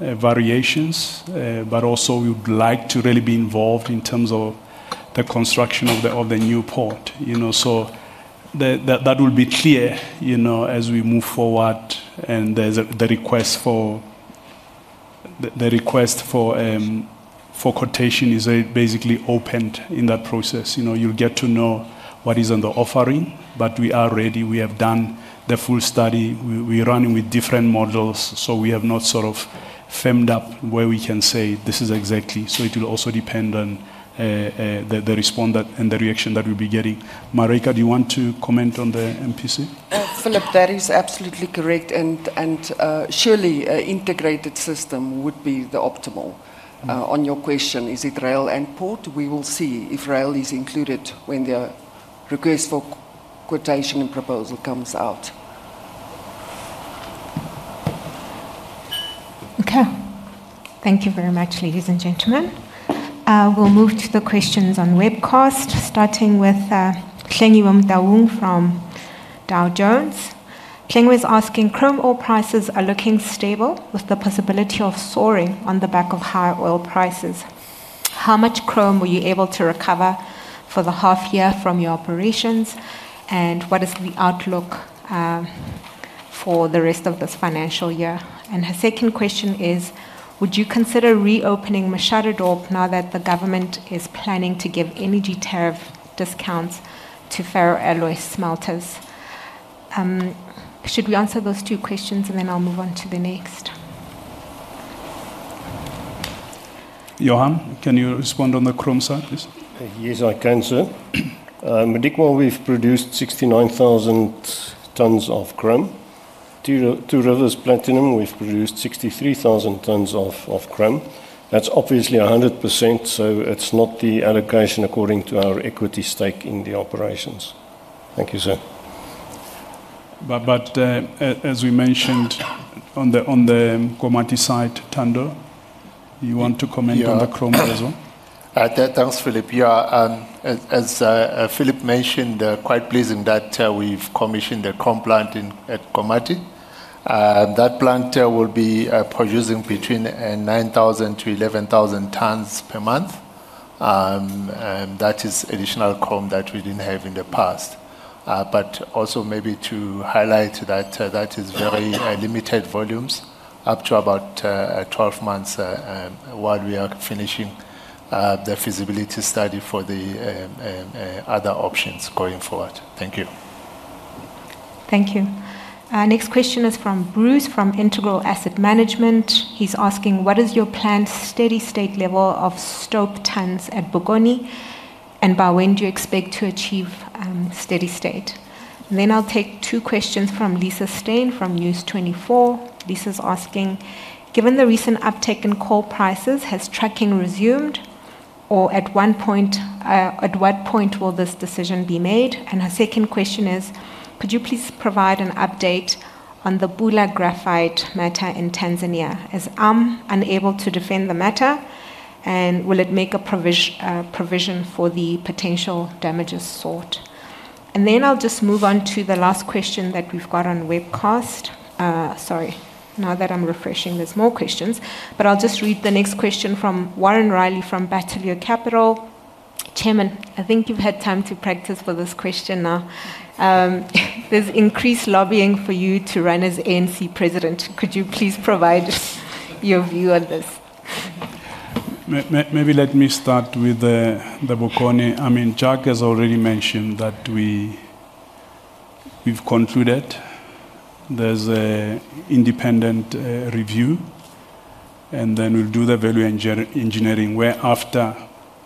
variations, but also we would like to really be involved in terms of the construction of the new port, you know. That will be clear, you know, as we move forward and there's the request for the request for quotation is basically opened in that process. You know, you'll get to know what is in the offering, but we are ready. We have done the full study. We running with different models, we have not sort of firmed up where we can say, "This is exactly." It will also depend on the respondent and the reaction that we'll be getting. Marika, do you want to comment on the MPC? Phillip, that is absolutely correct, and surely, an integrated system would be the optimal. On your question, is it rail and port? We will see if rail is included when the request for quotation and proposal comes out. Okay. Thank you very much, ladies and gentlemen. We'll move to the questions on webcast, starting with Klengi Mdaung from Dow Jones. Klengi was asking, chrome ore prices are looking stable with the possibility of soaring on the back of higher oil prices. How much chrome were you able to recover for the half year from your operations, and what is the outlook for the rest of this financial year? Her second question is, would you consider reopening Machadodorp Works now that the government is planning to give energy tariff discounts to ferroalloy smelters? Should we answer those two questions, and then I'll move on to the next? Johann, can you respond on the chrome side, please? Yes, I can, sir. Modikwa, we've produced 69,000 tons of chrome. Two Rivers Platinum, we've produced 63,000 tons of chrome. That's obviously 100%, so it's not the allocation according to our equity stake in the operations. Thank you, sir. As we mentioned on the Nkomati site, Tando, do you want to comment on the chrome as well? Thanks, Phillip. As Phillip mentioned, quite pleasing that we've commissioned a chrome plant at Nkomati. That plant will be producing between 9,000-11,000 tons per month. That is additional chrome that we didn't have in the past. Also maybe to highlight that is very, limited volumes up to about, 12 months, while we are finishing, the feasibility study for the, other options going forward. Thank you. Thank you. Our next question is from Bruce from Integral Asset Management. He's asking, what is your planned steady-state level of stop tons at Bokoni, and by when do you expect to achieve steady state? I'll take two questions from Lisa Steyn from News24. Lisa's asking, given the recent uptick in coal prices, has trucking resumed? At what point will this decision be made? Her second question is, could you please provide an update on the Pula Graphite matter in Tanzania as I'm unable to defend the matter, and will it make a provision for the potential damages sought? I'll just move on to the last question that we've got on webcast. Sorry. Now that I'm refreshing, there's more questions, I'll just read the next question from Warren Riley from Bateleur Capital. Chairman, I think you've had time to practice for this question now. There's increased lobbying for you to run as ANC president. Could you please provide your view on this? Maybe let me start with the Bokoni. I mean, Jack has already mentioned that we've concluded there's a independent review, and then we'll do the value engineering, whereafter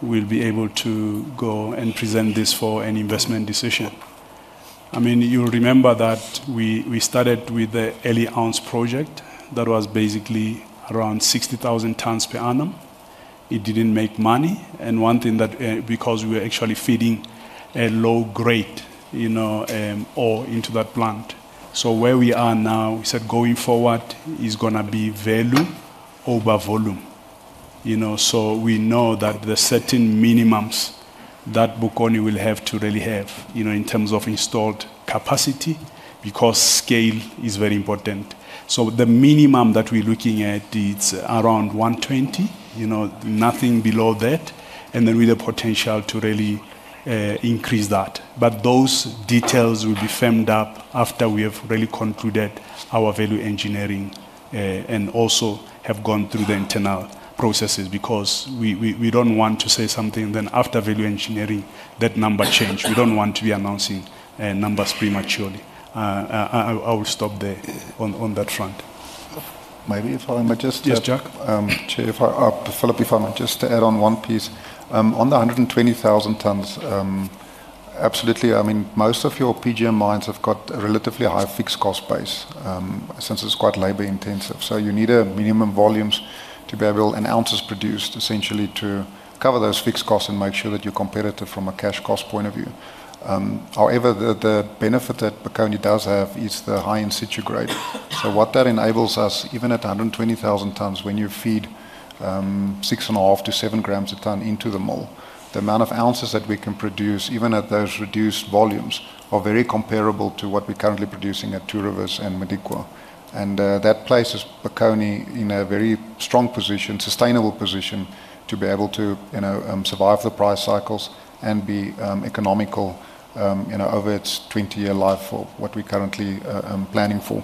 we'll be able to go and present this for an investment decision. I mean, you'll remember that we started with the early ounce project that was basically around 60,000 tons per annum. It didn't make money, and one thing that, because we were actually feeding a low grade, you know, ore into that plant. Where we are now, we said going forward is gonna be value over volume. You know, so we know that the certain minimums that Bokoni will have to really have, you know, in terms of installed capacity because scale is very important. The minimum that we're looking at, it's around 120, you know, nothing below that, and then with the potential to really increase that. Those details will be firmed up after we have really concluded our value engineering and also have gone through the internal processes because we don't want to say something then after value engineering, that number change. We don't want to be announcing numbers prematurely. I will stop there on that front. Maybe if I might just- Yes, Jack. Chair, Phillip, if I might just add on one piece. On the 120,000 tons, absolutely, I mean, most of your PGM mines have got a relatively high fixed cost base, since it's quite labor-intensive. You need a minimum volumes to be able, and ounces produced essentially to cover those fixed costs and make sure that you're competitive from a cash cost point of view. However, the benefit that Bokoni does have is the high in situ grade. What that enables us, even at 120,000 tons, when you feed 6.5-7 grams a ton into the mole, the amount of ounces that we can produce, even at those reduced volumes, are very comparable to what we're currently producing at Two Rivers and Modikwa. That places Bokoni in a very strong position, sustainable position, to be able to, you know, survive the price cycles and be economical, you know, over its 20-year life of what we're currently planning for.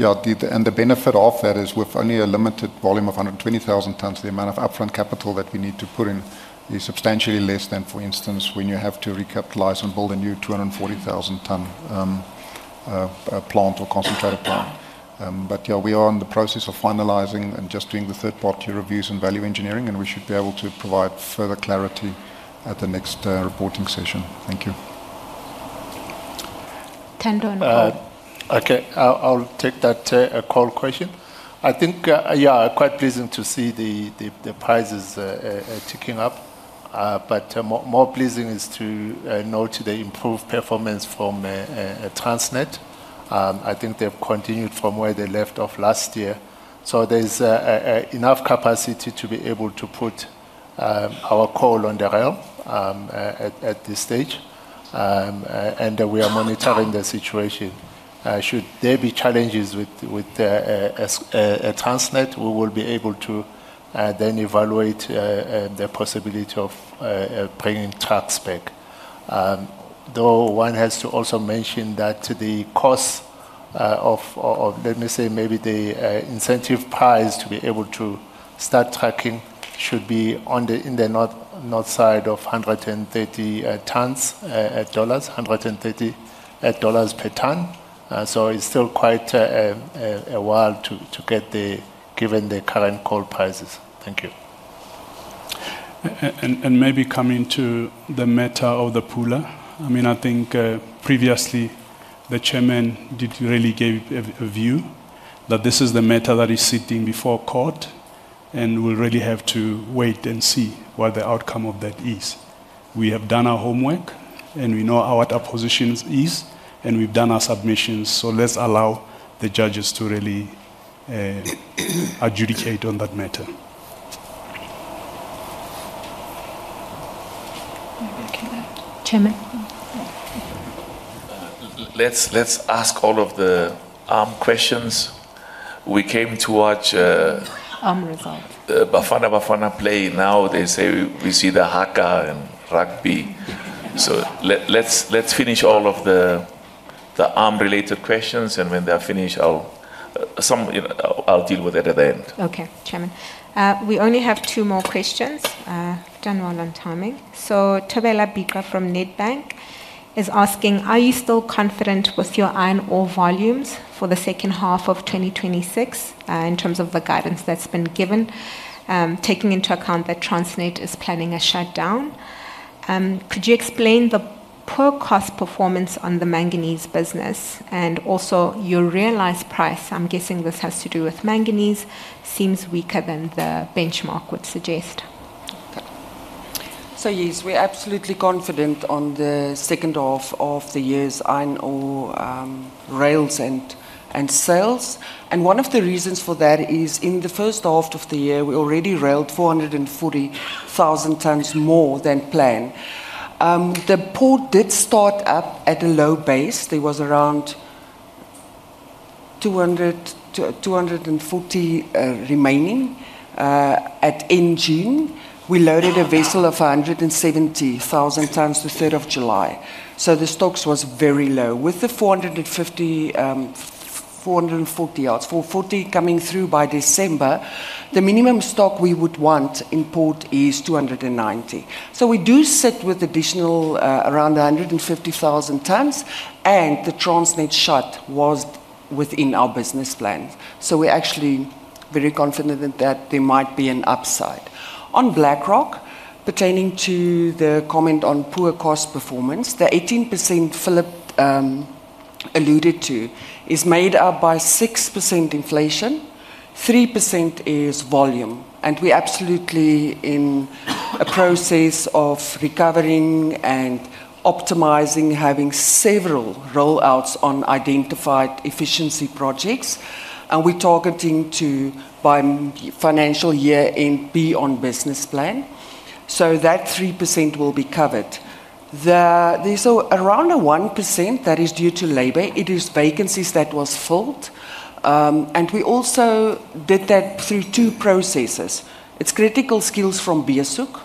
Yeah, and the benefit of that is with only a limited volume of 120,000 tons, the amount of upfront capital that we need to put in is substantially less than, for instance, when you have to recapitalize and build a new 240,000 ton plant or concentrator plant. Yeah, we are in the process of finalizing and just doing the third-party reviews and value engineering, and we should be able to provide further clarity at the next reporting session. Thank you. Thando to on coal. Okay. I'll take that coal question. I think, yeah, quite pleasing to see the prices ticking up. More pleasing is to note the improved performance from Transnet. I think they've continued from where they left off last year. There's enough capacity to be able to put our coal on the rail at this stage. We are monitoring the situation. Should there be challenges with Transnet, we will be able to then evaluate the possibility of bringing trucks back. Though one has to also mention that the cost of, let me say maybe the incentive price to be able to start trucking should be on the in the north side of $130 per ton. It's still quite a while to get the given the current coal prices. Thank you. Maybe coming to the matter of the Pula. I mean, I think, previously the Chairman did really gave a view that this is the matter that is sitting before court. We really have to wait and see what the outcome of that is. We have done our homework, and we know what our positions is, and we've done our submissions. Let's allow the judges to really adjudicate on that matter. Maybe I can add. Chairman? Let's, let's ask all of the ARM questions. We came to watch. ARM resolve ... the Bafana Bafana play. They say we see the haka in rugby. Let's finish all of the ARM related questions, and when they're finished you know, I'll deal with that at the end. Okay, Chairman. We only have 2 more questions. Done well on timing. Thabang Gxabeka from Nedbank is asking, are you still confident with your iron ore volumes for the second half of 2026, in terms of the guidance that's been given, taking into account that Transnet is planning a shutdown? Could you explain the poor cost performance on the manganese business? Also your realized price, I'm guessing this has to do with manganese, seems weaker than the benchmark would suggest. Yes, we're absolutely confident on the second half of the year's iron ore, rails and sales. One of the reasons for that is in the first half of the year, we already railed 440,000 tons more than planned. The port did start up at a low base. There was around 200-240 remaining at end June. We loaded a vessel of 170,000 tons the third of July. The stocks was very low. With the 440 coming through by December, the minimum stock we would want in port is 290. We do sit with additional around 150,000 tons, and the Transnet shut was within our business plans. We're actually very confident that there might be an upside. On Black Rock, pertaining to the comment on poor cost performance, the 18% Phillip alluded to is made up by 6% inflation, 3% is volume, and we're absolutely in a process of recovering and optimizing, having several rollouts on identified efficiency projects. We're targeting to by financial year-end be on business plan, so that 3% will be covered. There's around a 1% that is due to labor. It is vacancies that was filled. We also did that through 2 processes. It's critical skills from Beeshoek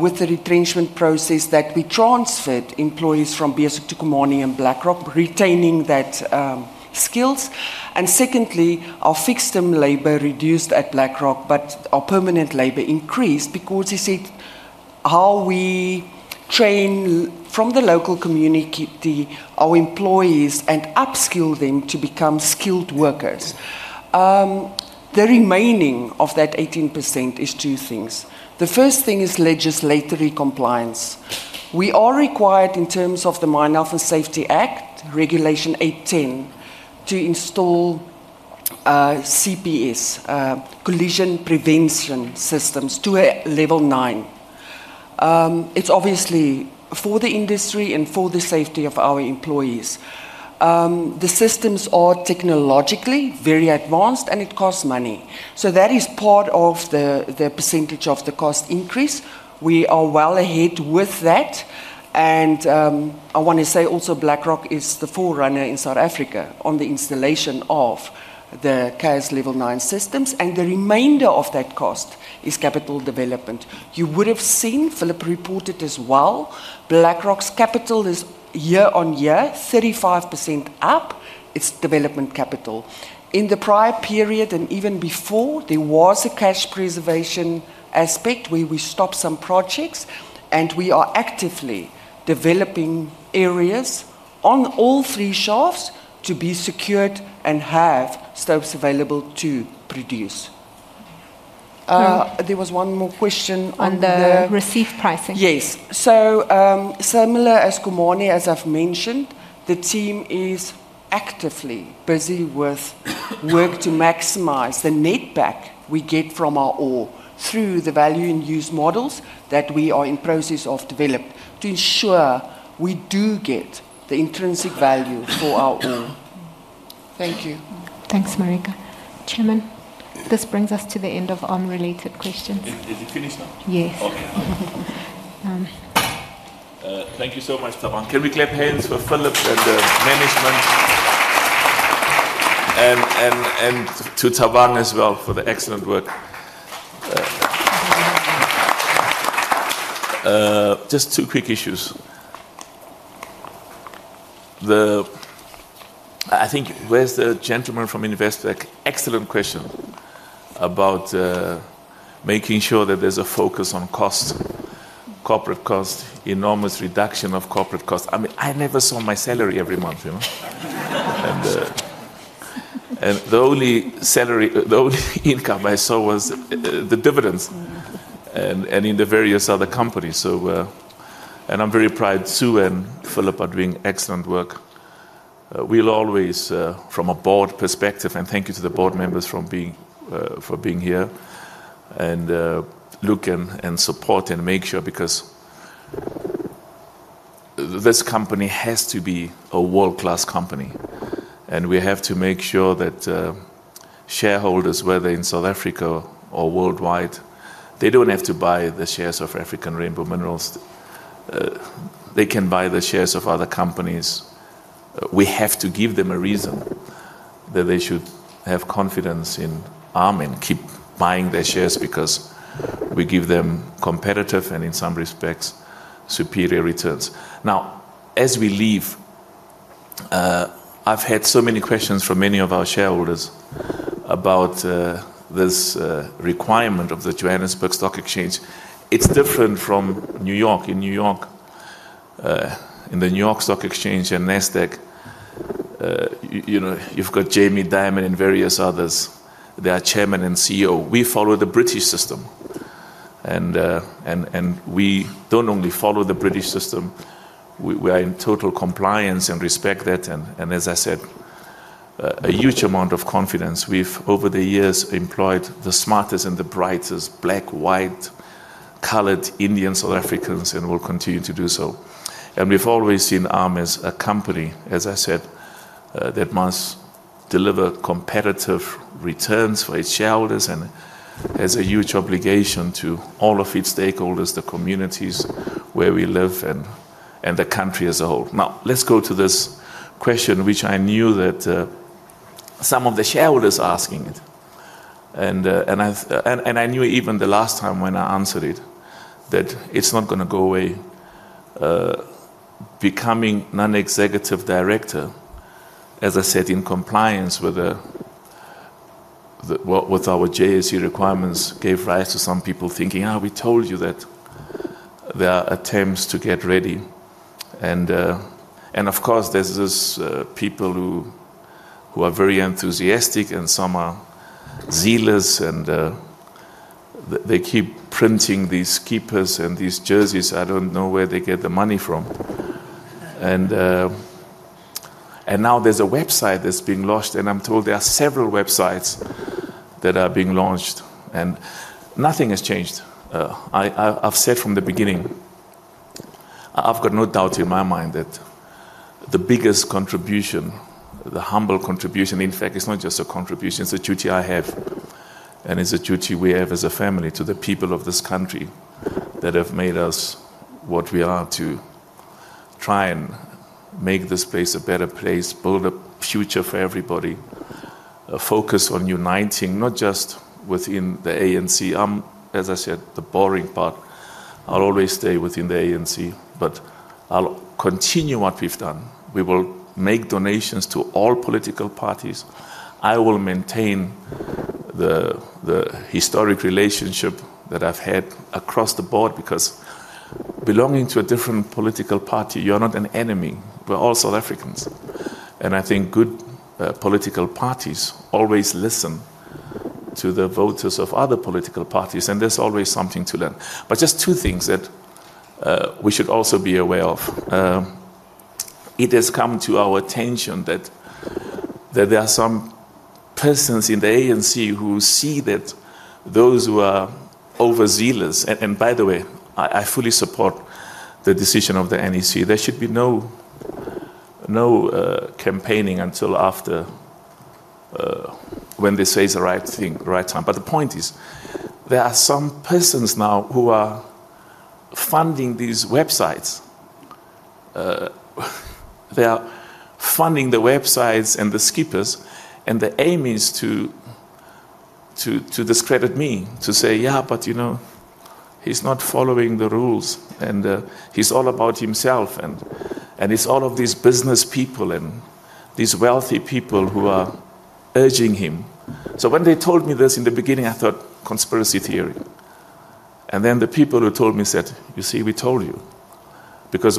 with the retrenchment process that we transferred employees from Beeshoek to Khumani Mine and Black Rock, retaining that skills. Secondly, our fixed term labor reduced at Black Rock, but our permanent labor increased because as said, how we train from the local community our employees and upskill them to become skilled workers. The remaining of that 18% is two things. The first thing is legislatory compliance. We are required in terms of the Mine Health and Safety Act, Regulation 8.10, to install CPS, collision prevention systems to a level 9. It's obviously for the industry and for the safety of our employees. The systems are technologically very advanced, and it costs money. That is part of the percentage of the cost increase. We are well ahead with that. I want to say also Black Rock is the forerunner in South Africa on the installation of the CAS level 9 systems. The remainder of that cost is capital development. You would have seen, Phillip reported as well, Black Rock's capital is year-on-year 35% up. It's development capital. In the prior period and even before, there was a cash preservation aspect where we stopped some projects. We are actively developing areas on all three shafts to be secured and have stopes available to produce. So- There was one more question on the- On the receive pricing. Yes. Similar as Khumani, as I've mentioned, the team is actively busy with work to maximize the netback we get from our ore through the value and use models that we are in process of develop to ensure we do get the intrinsic value for our ore. Thank you. Thanks, Marika. Chairman, this brings us to the end of ARM related questions. Is it finished now? Yes. Okay. Um- Thank you so much, Thabang. Can we clap hands for Phillip and the management? To Thabang as well for the excellent work. Just two quick issues. I think where's the gentleman from Investec? Excellent question about making sure that there's a focus on cost, corporate cost, enormous reduction of corporate cost. I mean, I never saw my salary every month, you know? The only salary, the only income I saw was the dividends and in the various other companies. I'm very proud Tsu and Phillip are doing excellent work. We'll always, from a board perspective, thank you to the board members from being for being here, look and support and make sure because this company has to be a world-class company, and we have to make sure that shareholders, whether in South Africa or worldwide, they don't have to buy the shares of African Rainbow Minerals. They can buy the shares of other companies. We have to give them a reason that they should have confidence in ARM and keep buying their shares because we give them competitive and, in some respects, superior returns. As we leave, I've had so many questions from many of our shareholders about this requirement of the Johannesburg Stock Exchange. It's different from New York. In New York, in the New York Stock Exchange and NASDAQ, you know, you've got Jamie Dimon and various others. They are chairman and CEO. We follow the British system, and we don't only follow the British system. We are in total compliance and respect that and as I said, a huge amount of confidence. We've, over the years, employed the smartest and the brightest black, white, colored, Indian South Africans, and we'll continue to do so. We've always seen ARM as a company, as I said, that must deliver competitive returns for its shareholders and has a huge obligation to all of its stakeholders, the communities where we live and the country as a whole. Now, let's go to this question which I knew that some of the shareholders are asking it. I knew even the last time when I answered it that it's not gonna go away. Becoming non-executive director, as I said, in compliance with the JSE requirements gave rise to some people thinking, "We told you that there are attempts to get ready." Of course, there's this people who are very enthusiastic and some are zealous and they keep printing these keepers and these jerseys. I don't know where they get the money from. Now there's a website that's been launched, and I'm told there are several websites that are being launched, and nothing has changed. I've said from the beginning, I've got no doubt in my mind that the biggest contribution, the humble contribution, in fact, it's not just a contribution, it's a duty I have, and it's a duty we have as a family to the people of this country that have made us what we are to try and make this place a better place, build a future for everybody, focus on uniting, not just within the ANC. I'm, as I said, the boring part. I'll always stay within the ANC, but I'll continue what we've done. We will make donations to all political parties. I will maintain the historic relationship that I've had across the board because belonging to a different political party, you're not an enemy. We're all South Africans. I think good political parties always listen to the voters of other political parties, and there's always something to learn. Just two things that we should also be aware of. It has come to our attention that there are some persons in the ANC who see that those who are overzealous, and by the way, I fully support the decision of the NEC. There should be no campaigning until after when they say it's the right thing, right time. The point is, there are some persons now who are funding these websites. They are funding the websites and the skippers, the aim is to discredit me, to say, "Yeah, you know, he's not following the rules, he's all about himself, and it's all of these business people and these wealthy people who are urging him." When they told me this in the beginning, I thought conspiracy theory. The people who told me said, "You see, we told you."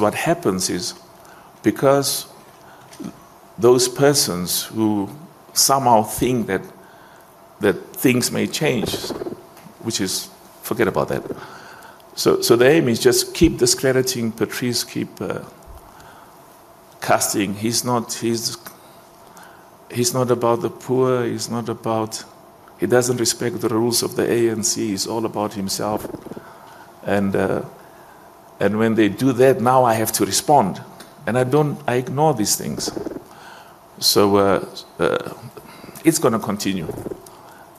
What happens is, those persons who somehow think that things may change, which is, forget about that. The aim is just keep discrediting Patrice, keep casting. He's not about the poor. He doesn't respect the rules of the ANC. He's all about himself. When they do that, now I have to respond. I don't... I ignore these things. It's gonna continue.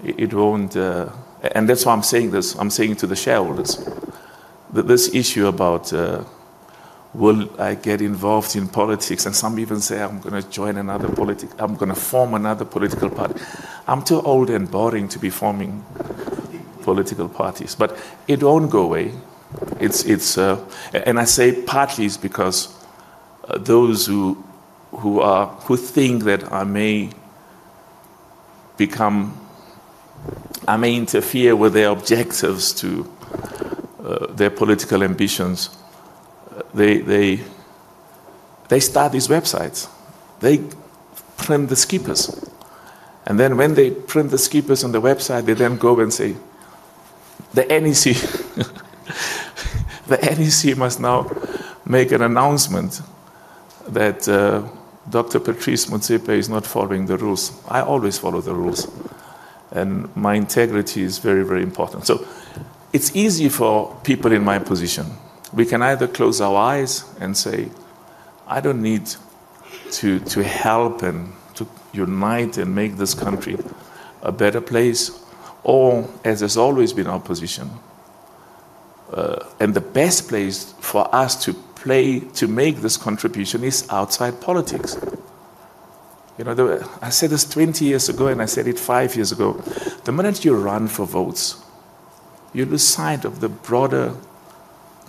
It won't... That's why I'm saying this. I'm saying to the shareholders that this issue about will I get involved in politics, and some even say I'm gonna form another political party. I'm too old and boring to be forming political parties. It won't go away. It's, and I say parties because those who think that I may become, I may interfere with their objectives to their political ambitions, they start these websites. They print the skippers. When they print the skippers on the website, they then go and say, "The NEC must now make an announcement." That Dr. Patrice Motsepe is not following the rules. I always follow the rules, and my integrity is very, very important. It's easy for people in my position. We can either close our eyes and say, "I don't need to help and to unite and make this country a better place," or, as has always been our position. The best place for us to play, to make this contribution is outside politics. You know, I said this 20 years ago, and I said it five years ago. The minute you run for votes, you lose sight of the broader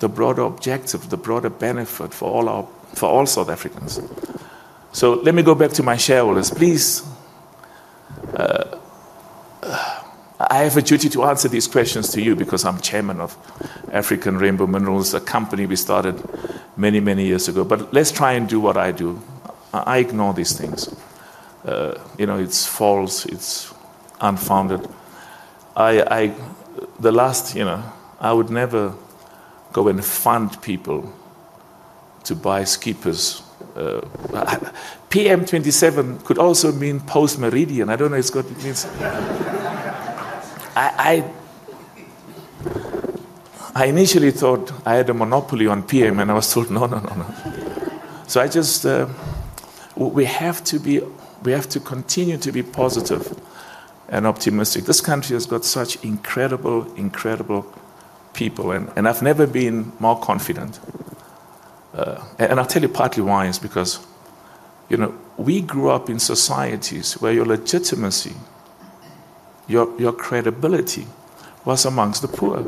objective, the broader benefit for all South Africans. Let me go back to my shareholders. Please, I have a duty to answer these questions to you because I'm chairman of African Rainbow Minerals, a company we started many, many years ago. Let's try and do what I do. I ignore these things. You know, it's false. It's unfounded. I, the last, you know, I would never go and fund people to buy skippas. PM27 could also mean post meridian. I don't know. I initially thought I had a monopoly on PM, and I was told, "No, no, no." I just, we have to continue to be positive and optimistic. This country has got such incredible people, and I've never been more confident. I'll tell you partly why. It's because, you know, we grew up in societies where your legitimacy, your credibility was amongst the poor,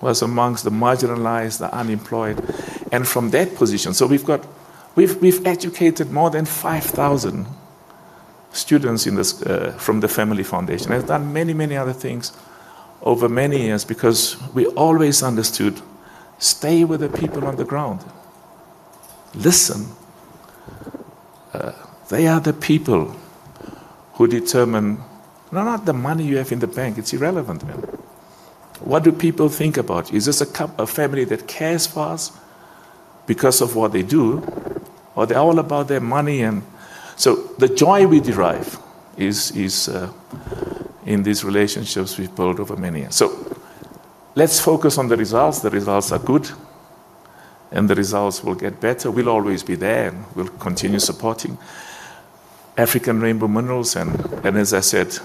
was amongst the marginalized, the unemployed, and from that position. We've educated more than 5,000 students in this from the family foundation and have done many, many other things over many years because we always understood, stay with the people on the ground. Listen. They are the people who determine. No, not the money you have in the bank. It's irrelevant really. What do people think about you? Is this a family that cares for us because of what they do, or they're all about their money. The joy we derive is in these relationships we've built over many years. Let's focus on the results. The results are good, and the results will get better. We'll always be there, and we'll continue supporting African Rainbow Minerals. As I said,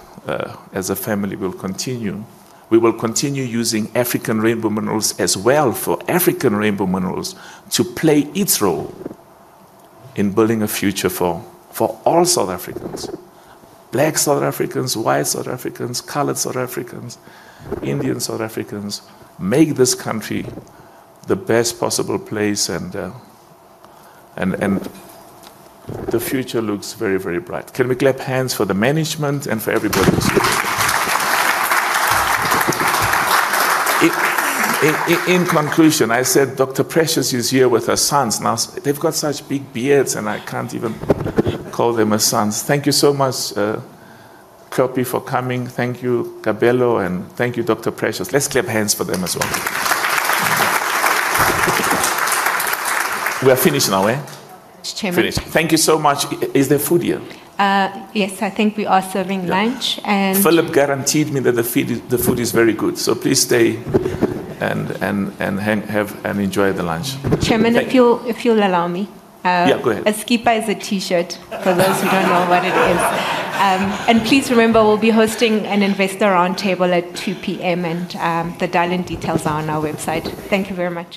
as a family, we'll continue. We will continue using African Rainbow Minerals as well for African Rainbow Minerals to play its role in building a future for all South Africans. Black South Africans, white South Africans, colored South Africans, Indian South Africans make this country the best possible place and the future looks very, very bright. Can we clap hands for the management and for everybody who's here? In conclusion, I said Dr. Precious is here with her sons. Now, they've got such big beards, and I can't even call them her sons. Thank you so much, Kgosi, for coming. Thank you, Kabelo, and thank you, Dr. Precious. Let's clap hands for them as well. We are finished now, eh? Mr. Chairman, Finished. Thank you so much. Is there food here? Yes, I think we are serving lunch and. Phillip guaranteed me that the food is very good, please stay and hang, have and enjoy the lunch. Thank you. Chairman, if you'll allow me. Yeah, go ahead.... a skippa is a T-shirt for those who don't know what it is. Please remember, we'll be hosting an investor roundtable at 2:00 P.M., and the dial-in details are on our website. Thank you very much.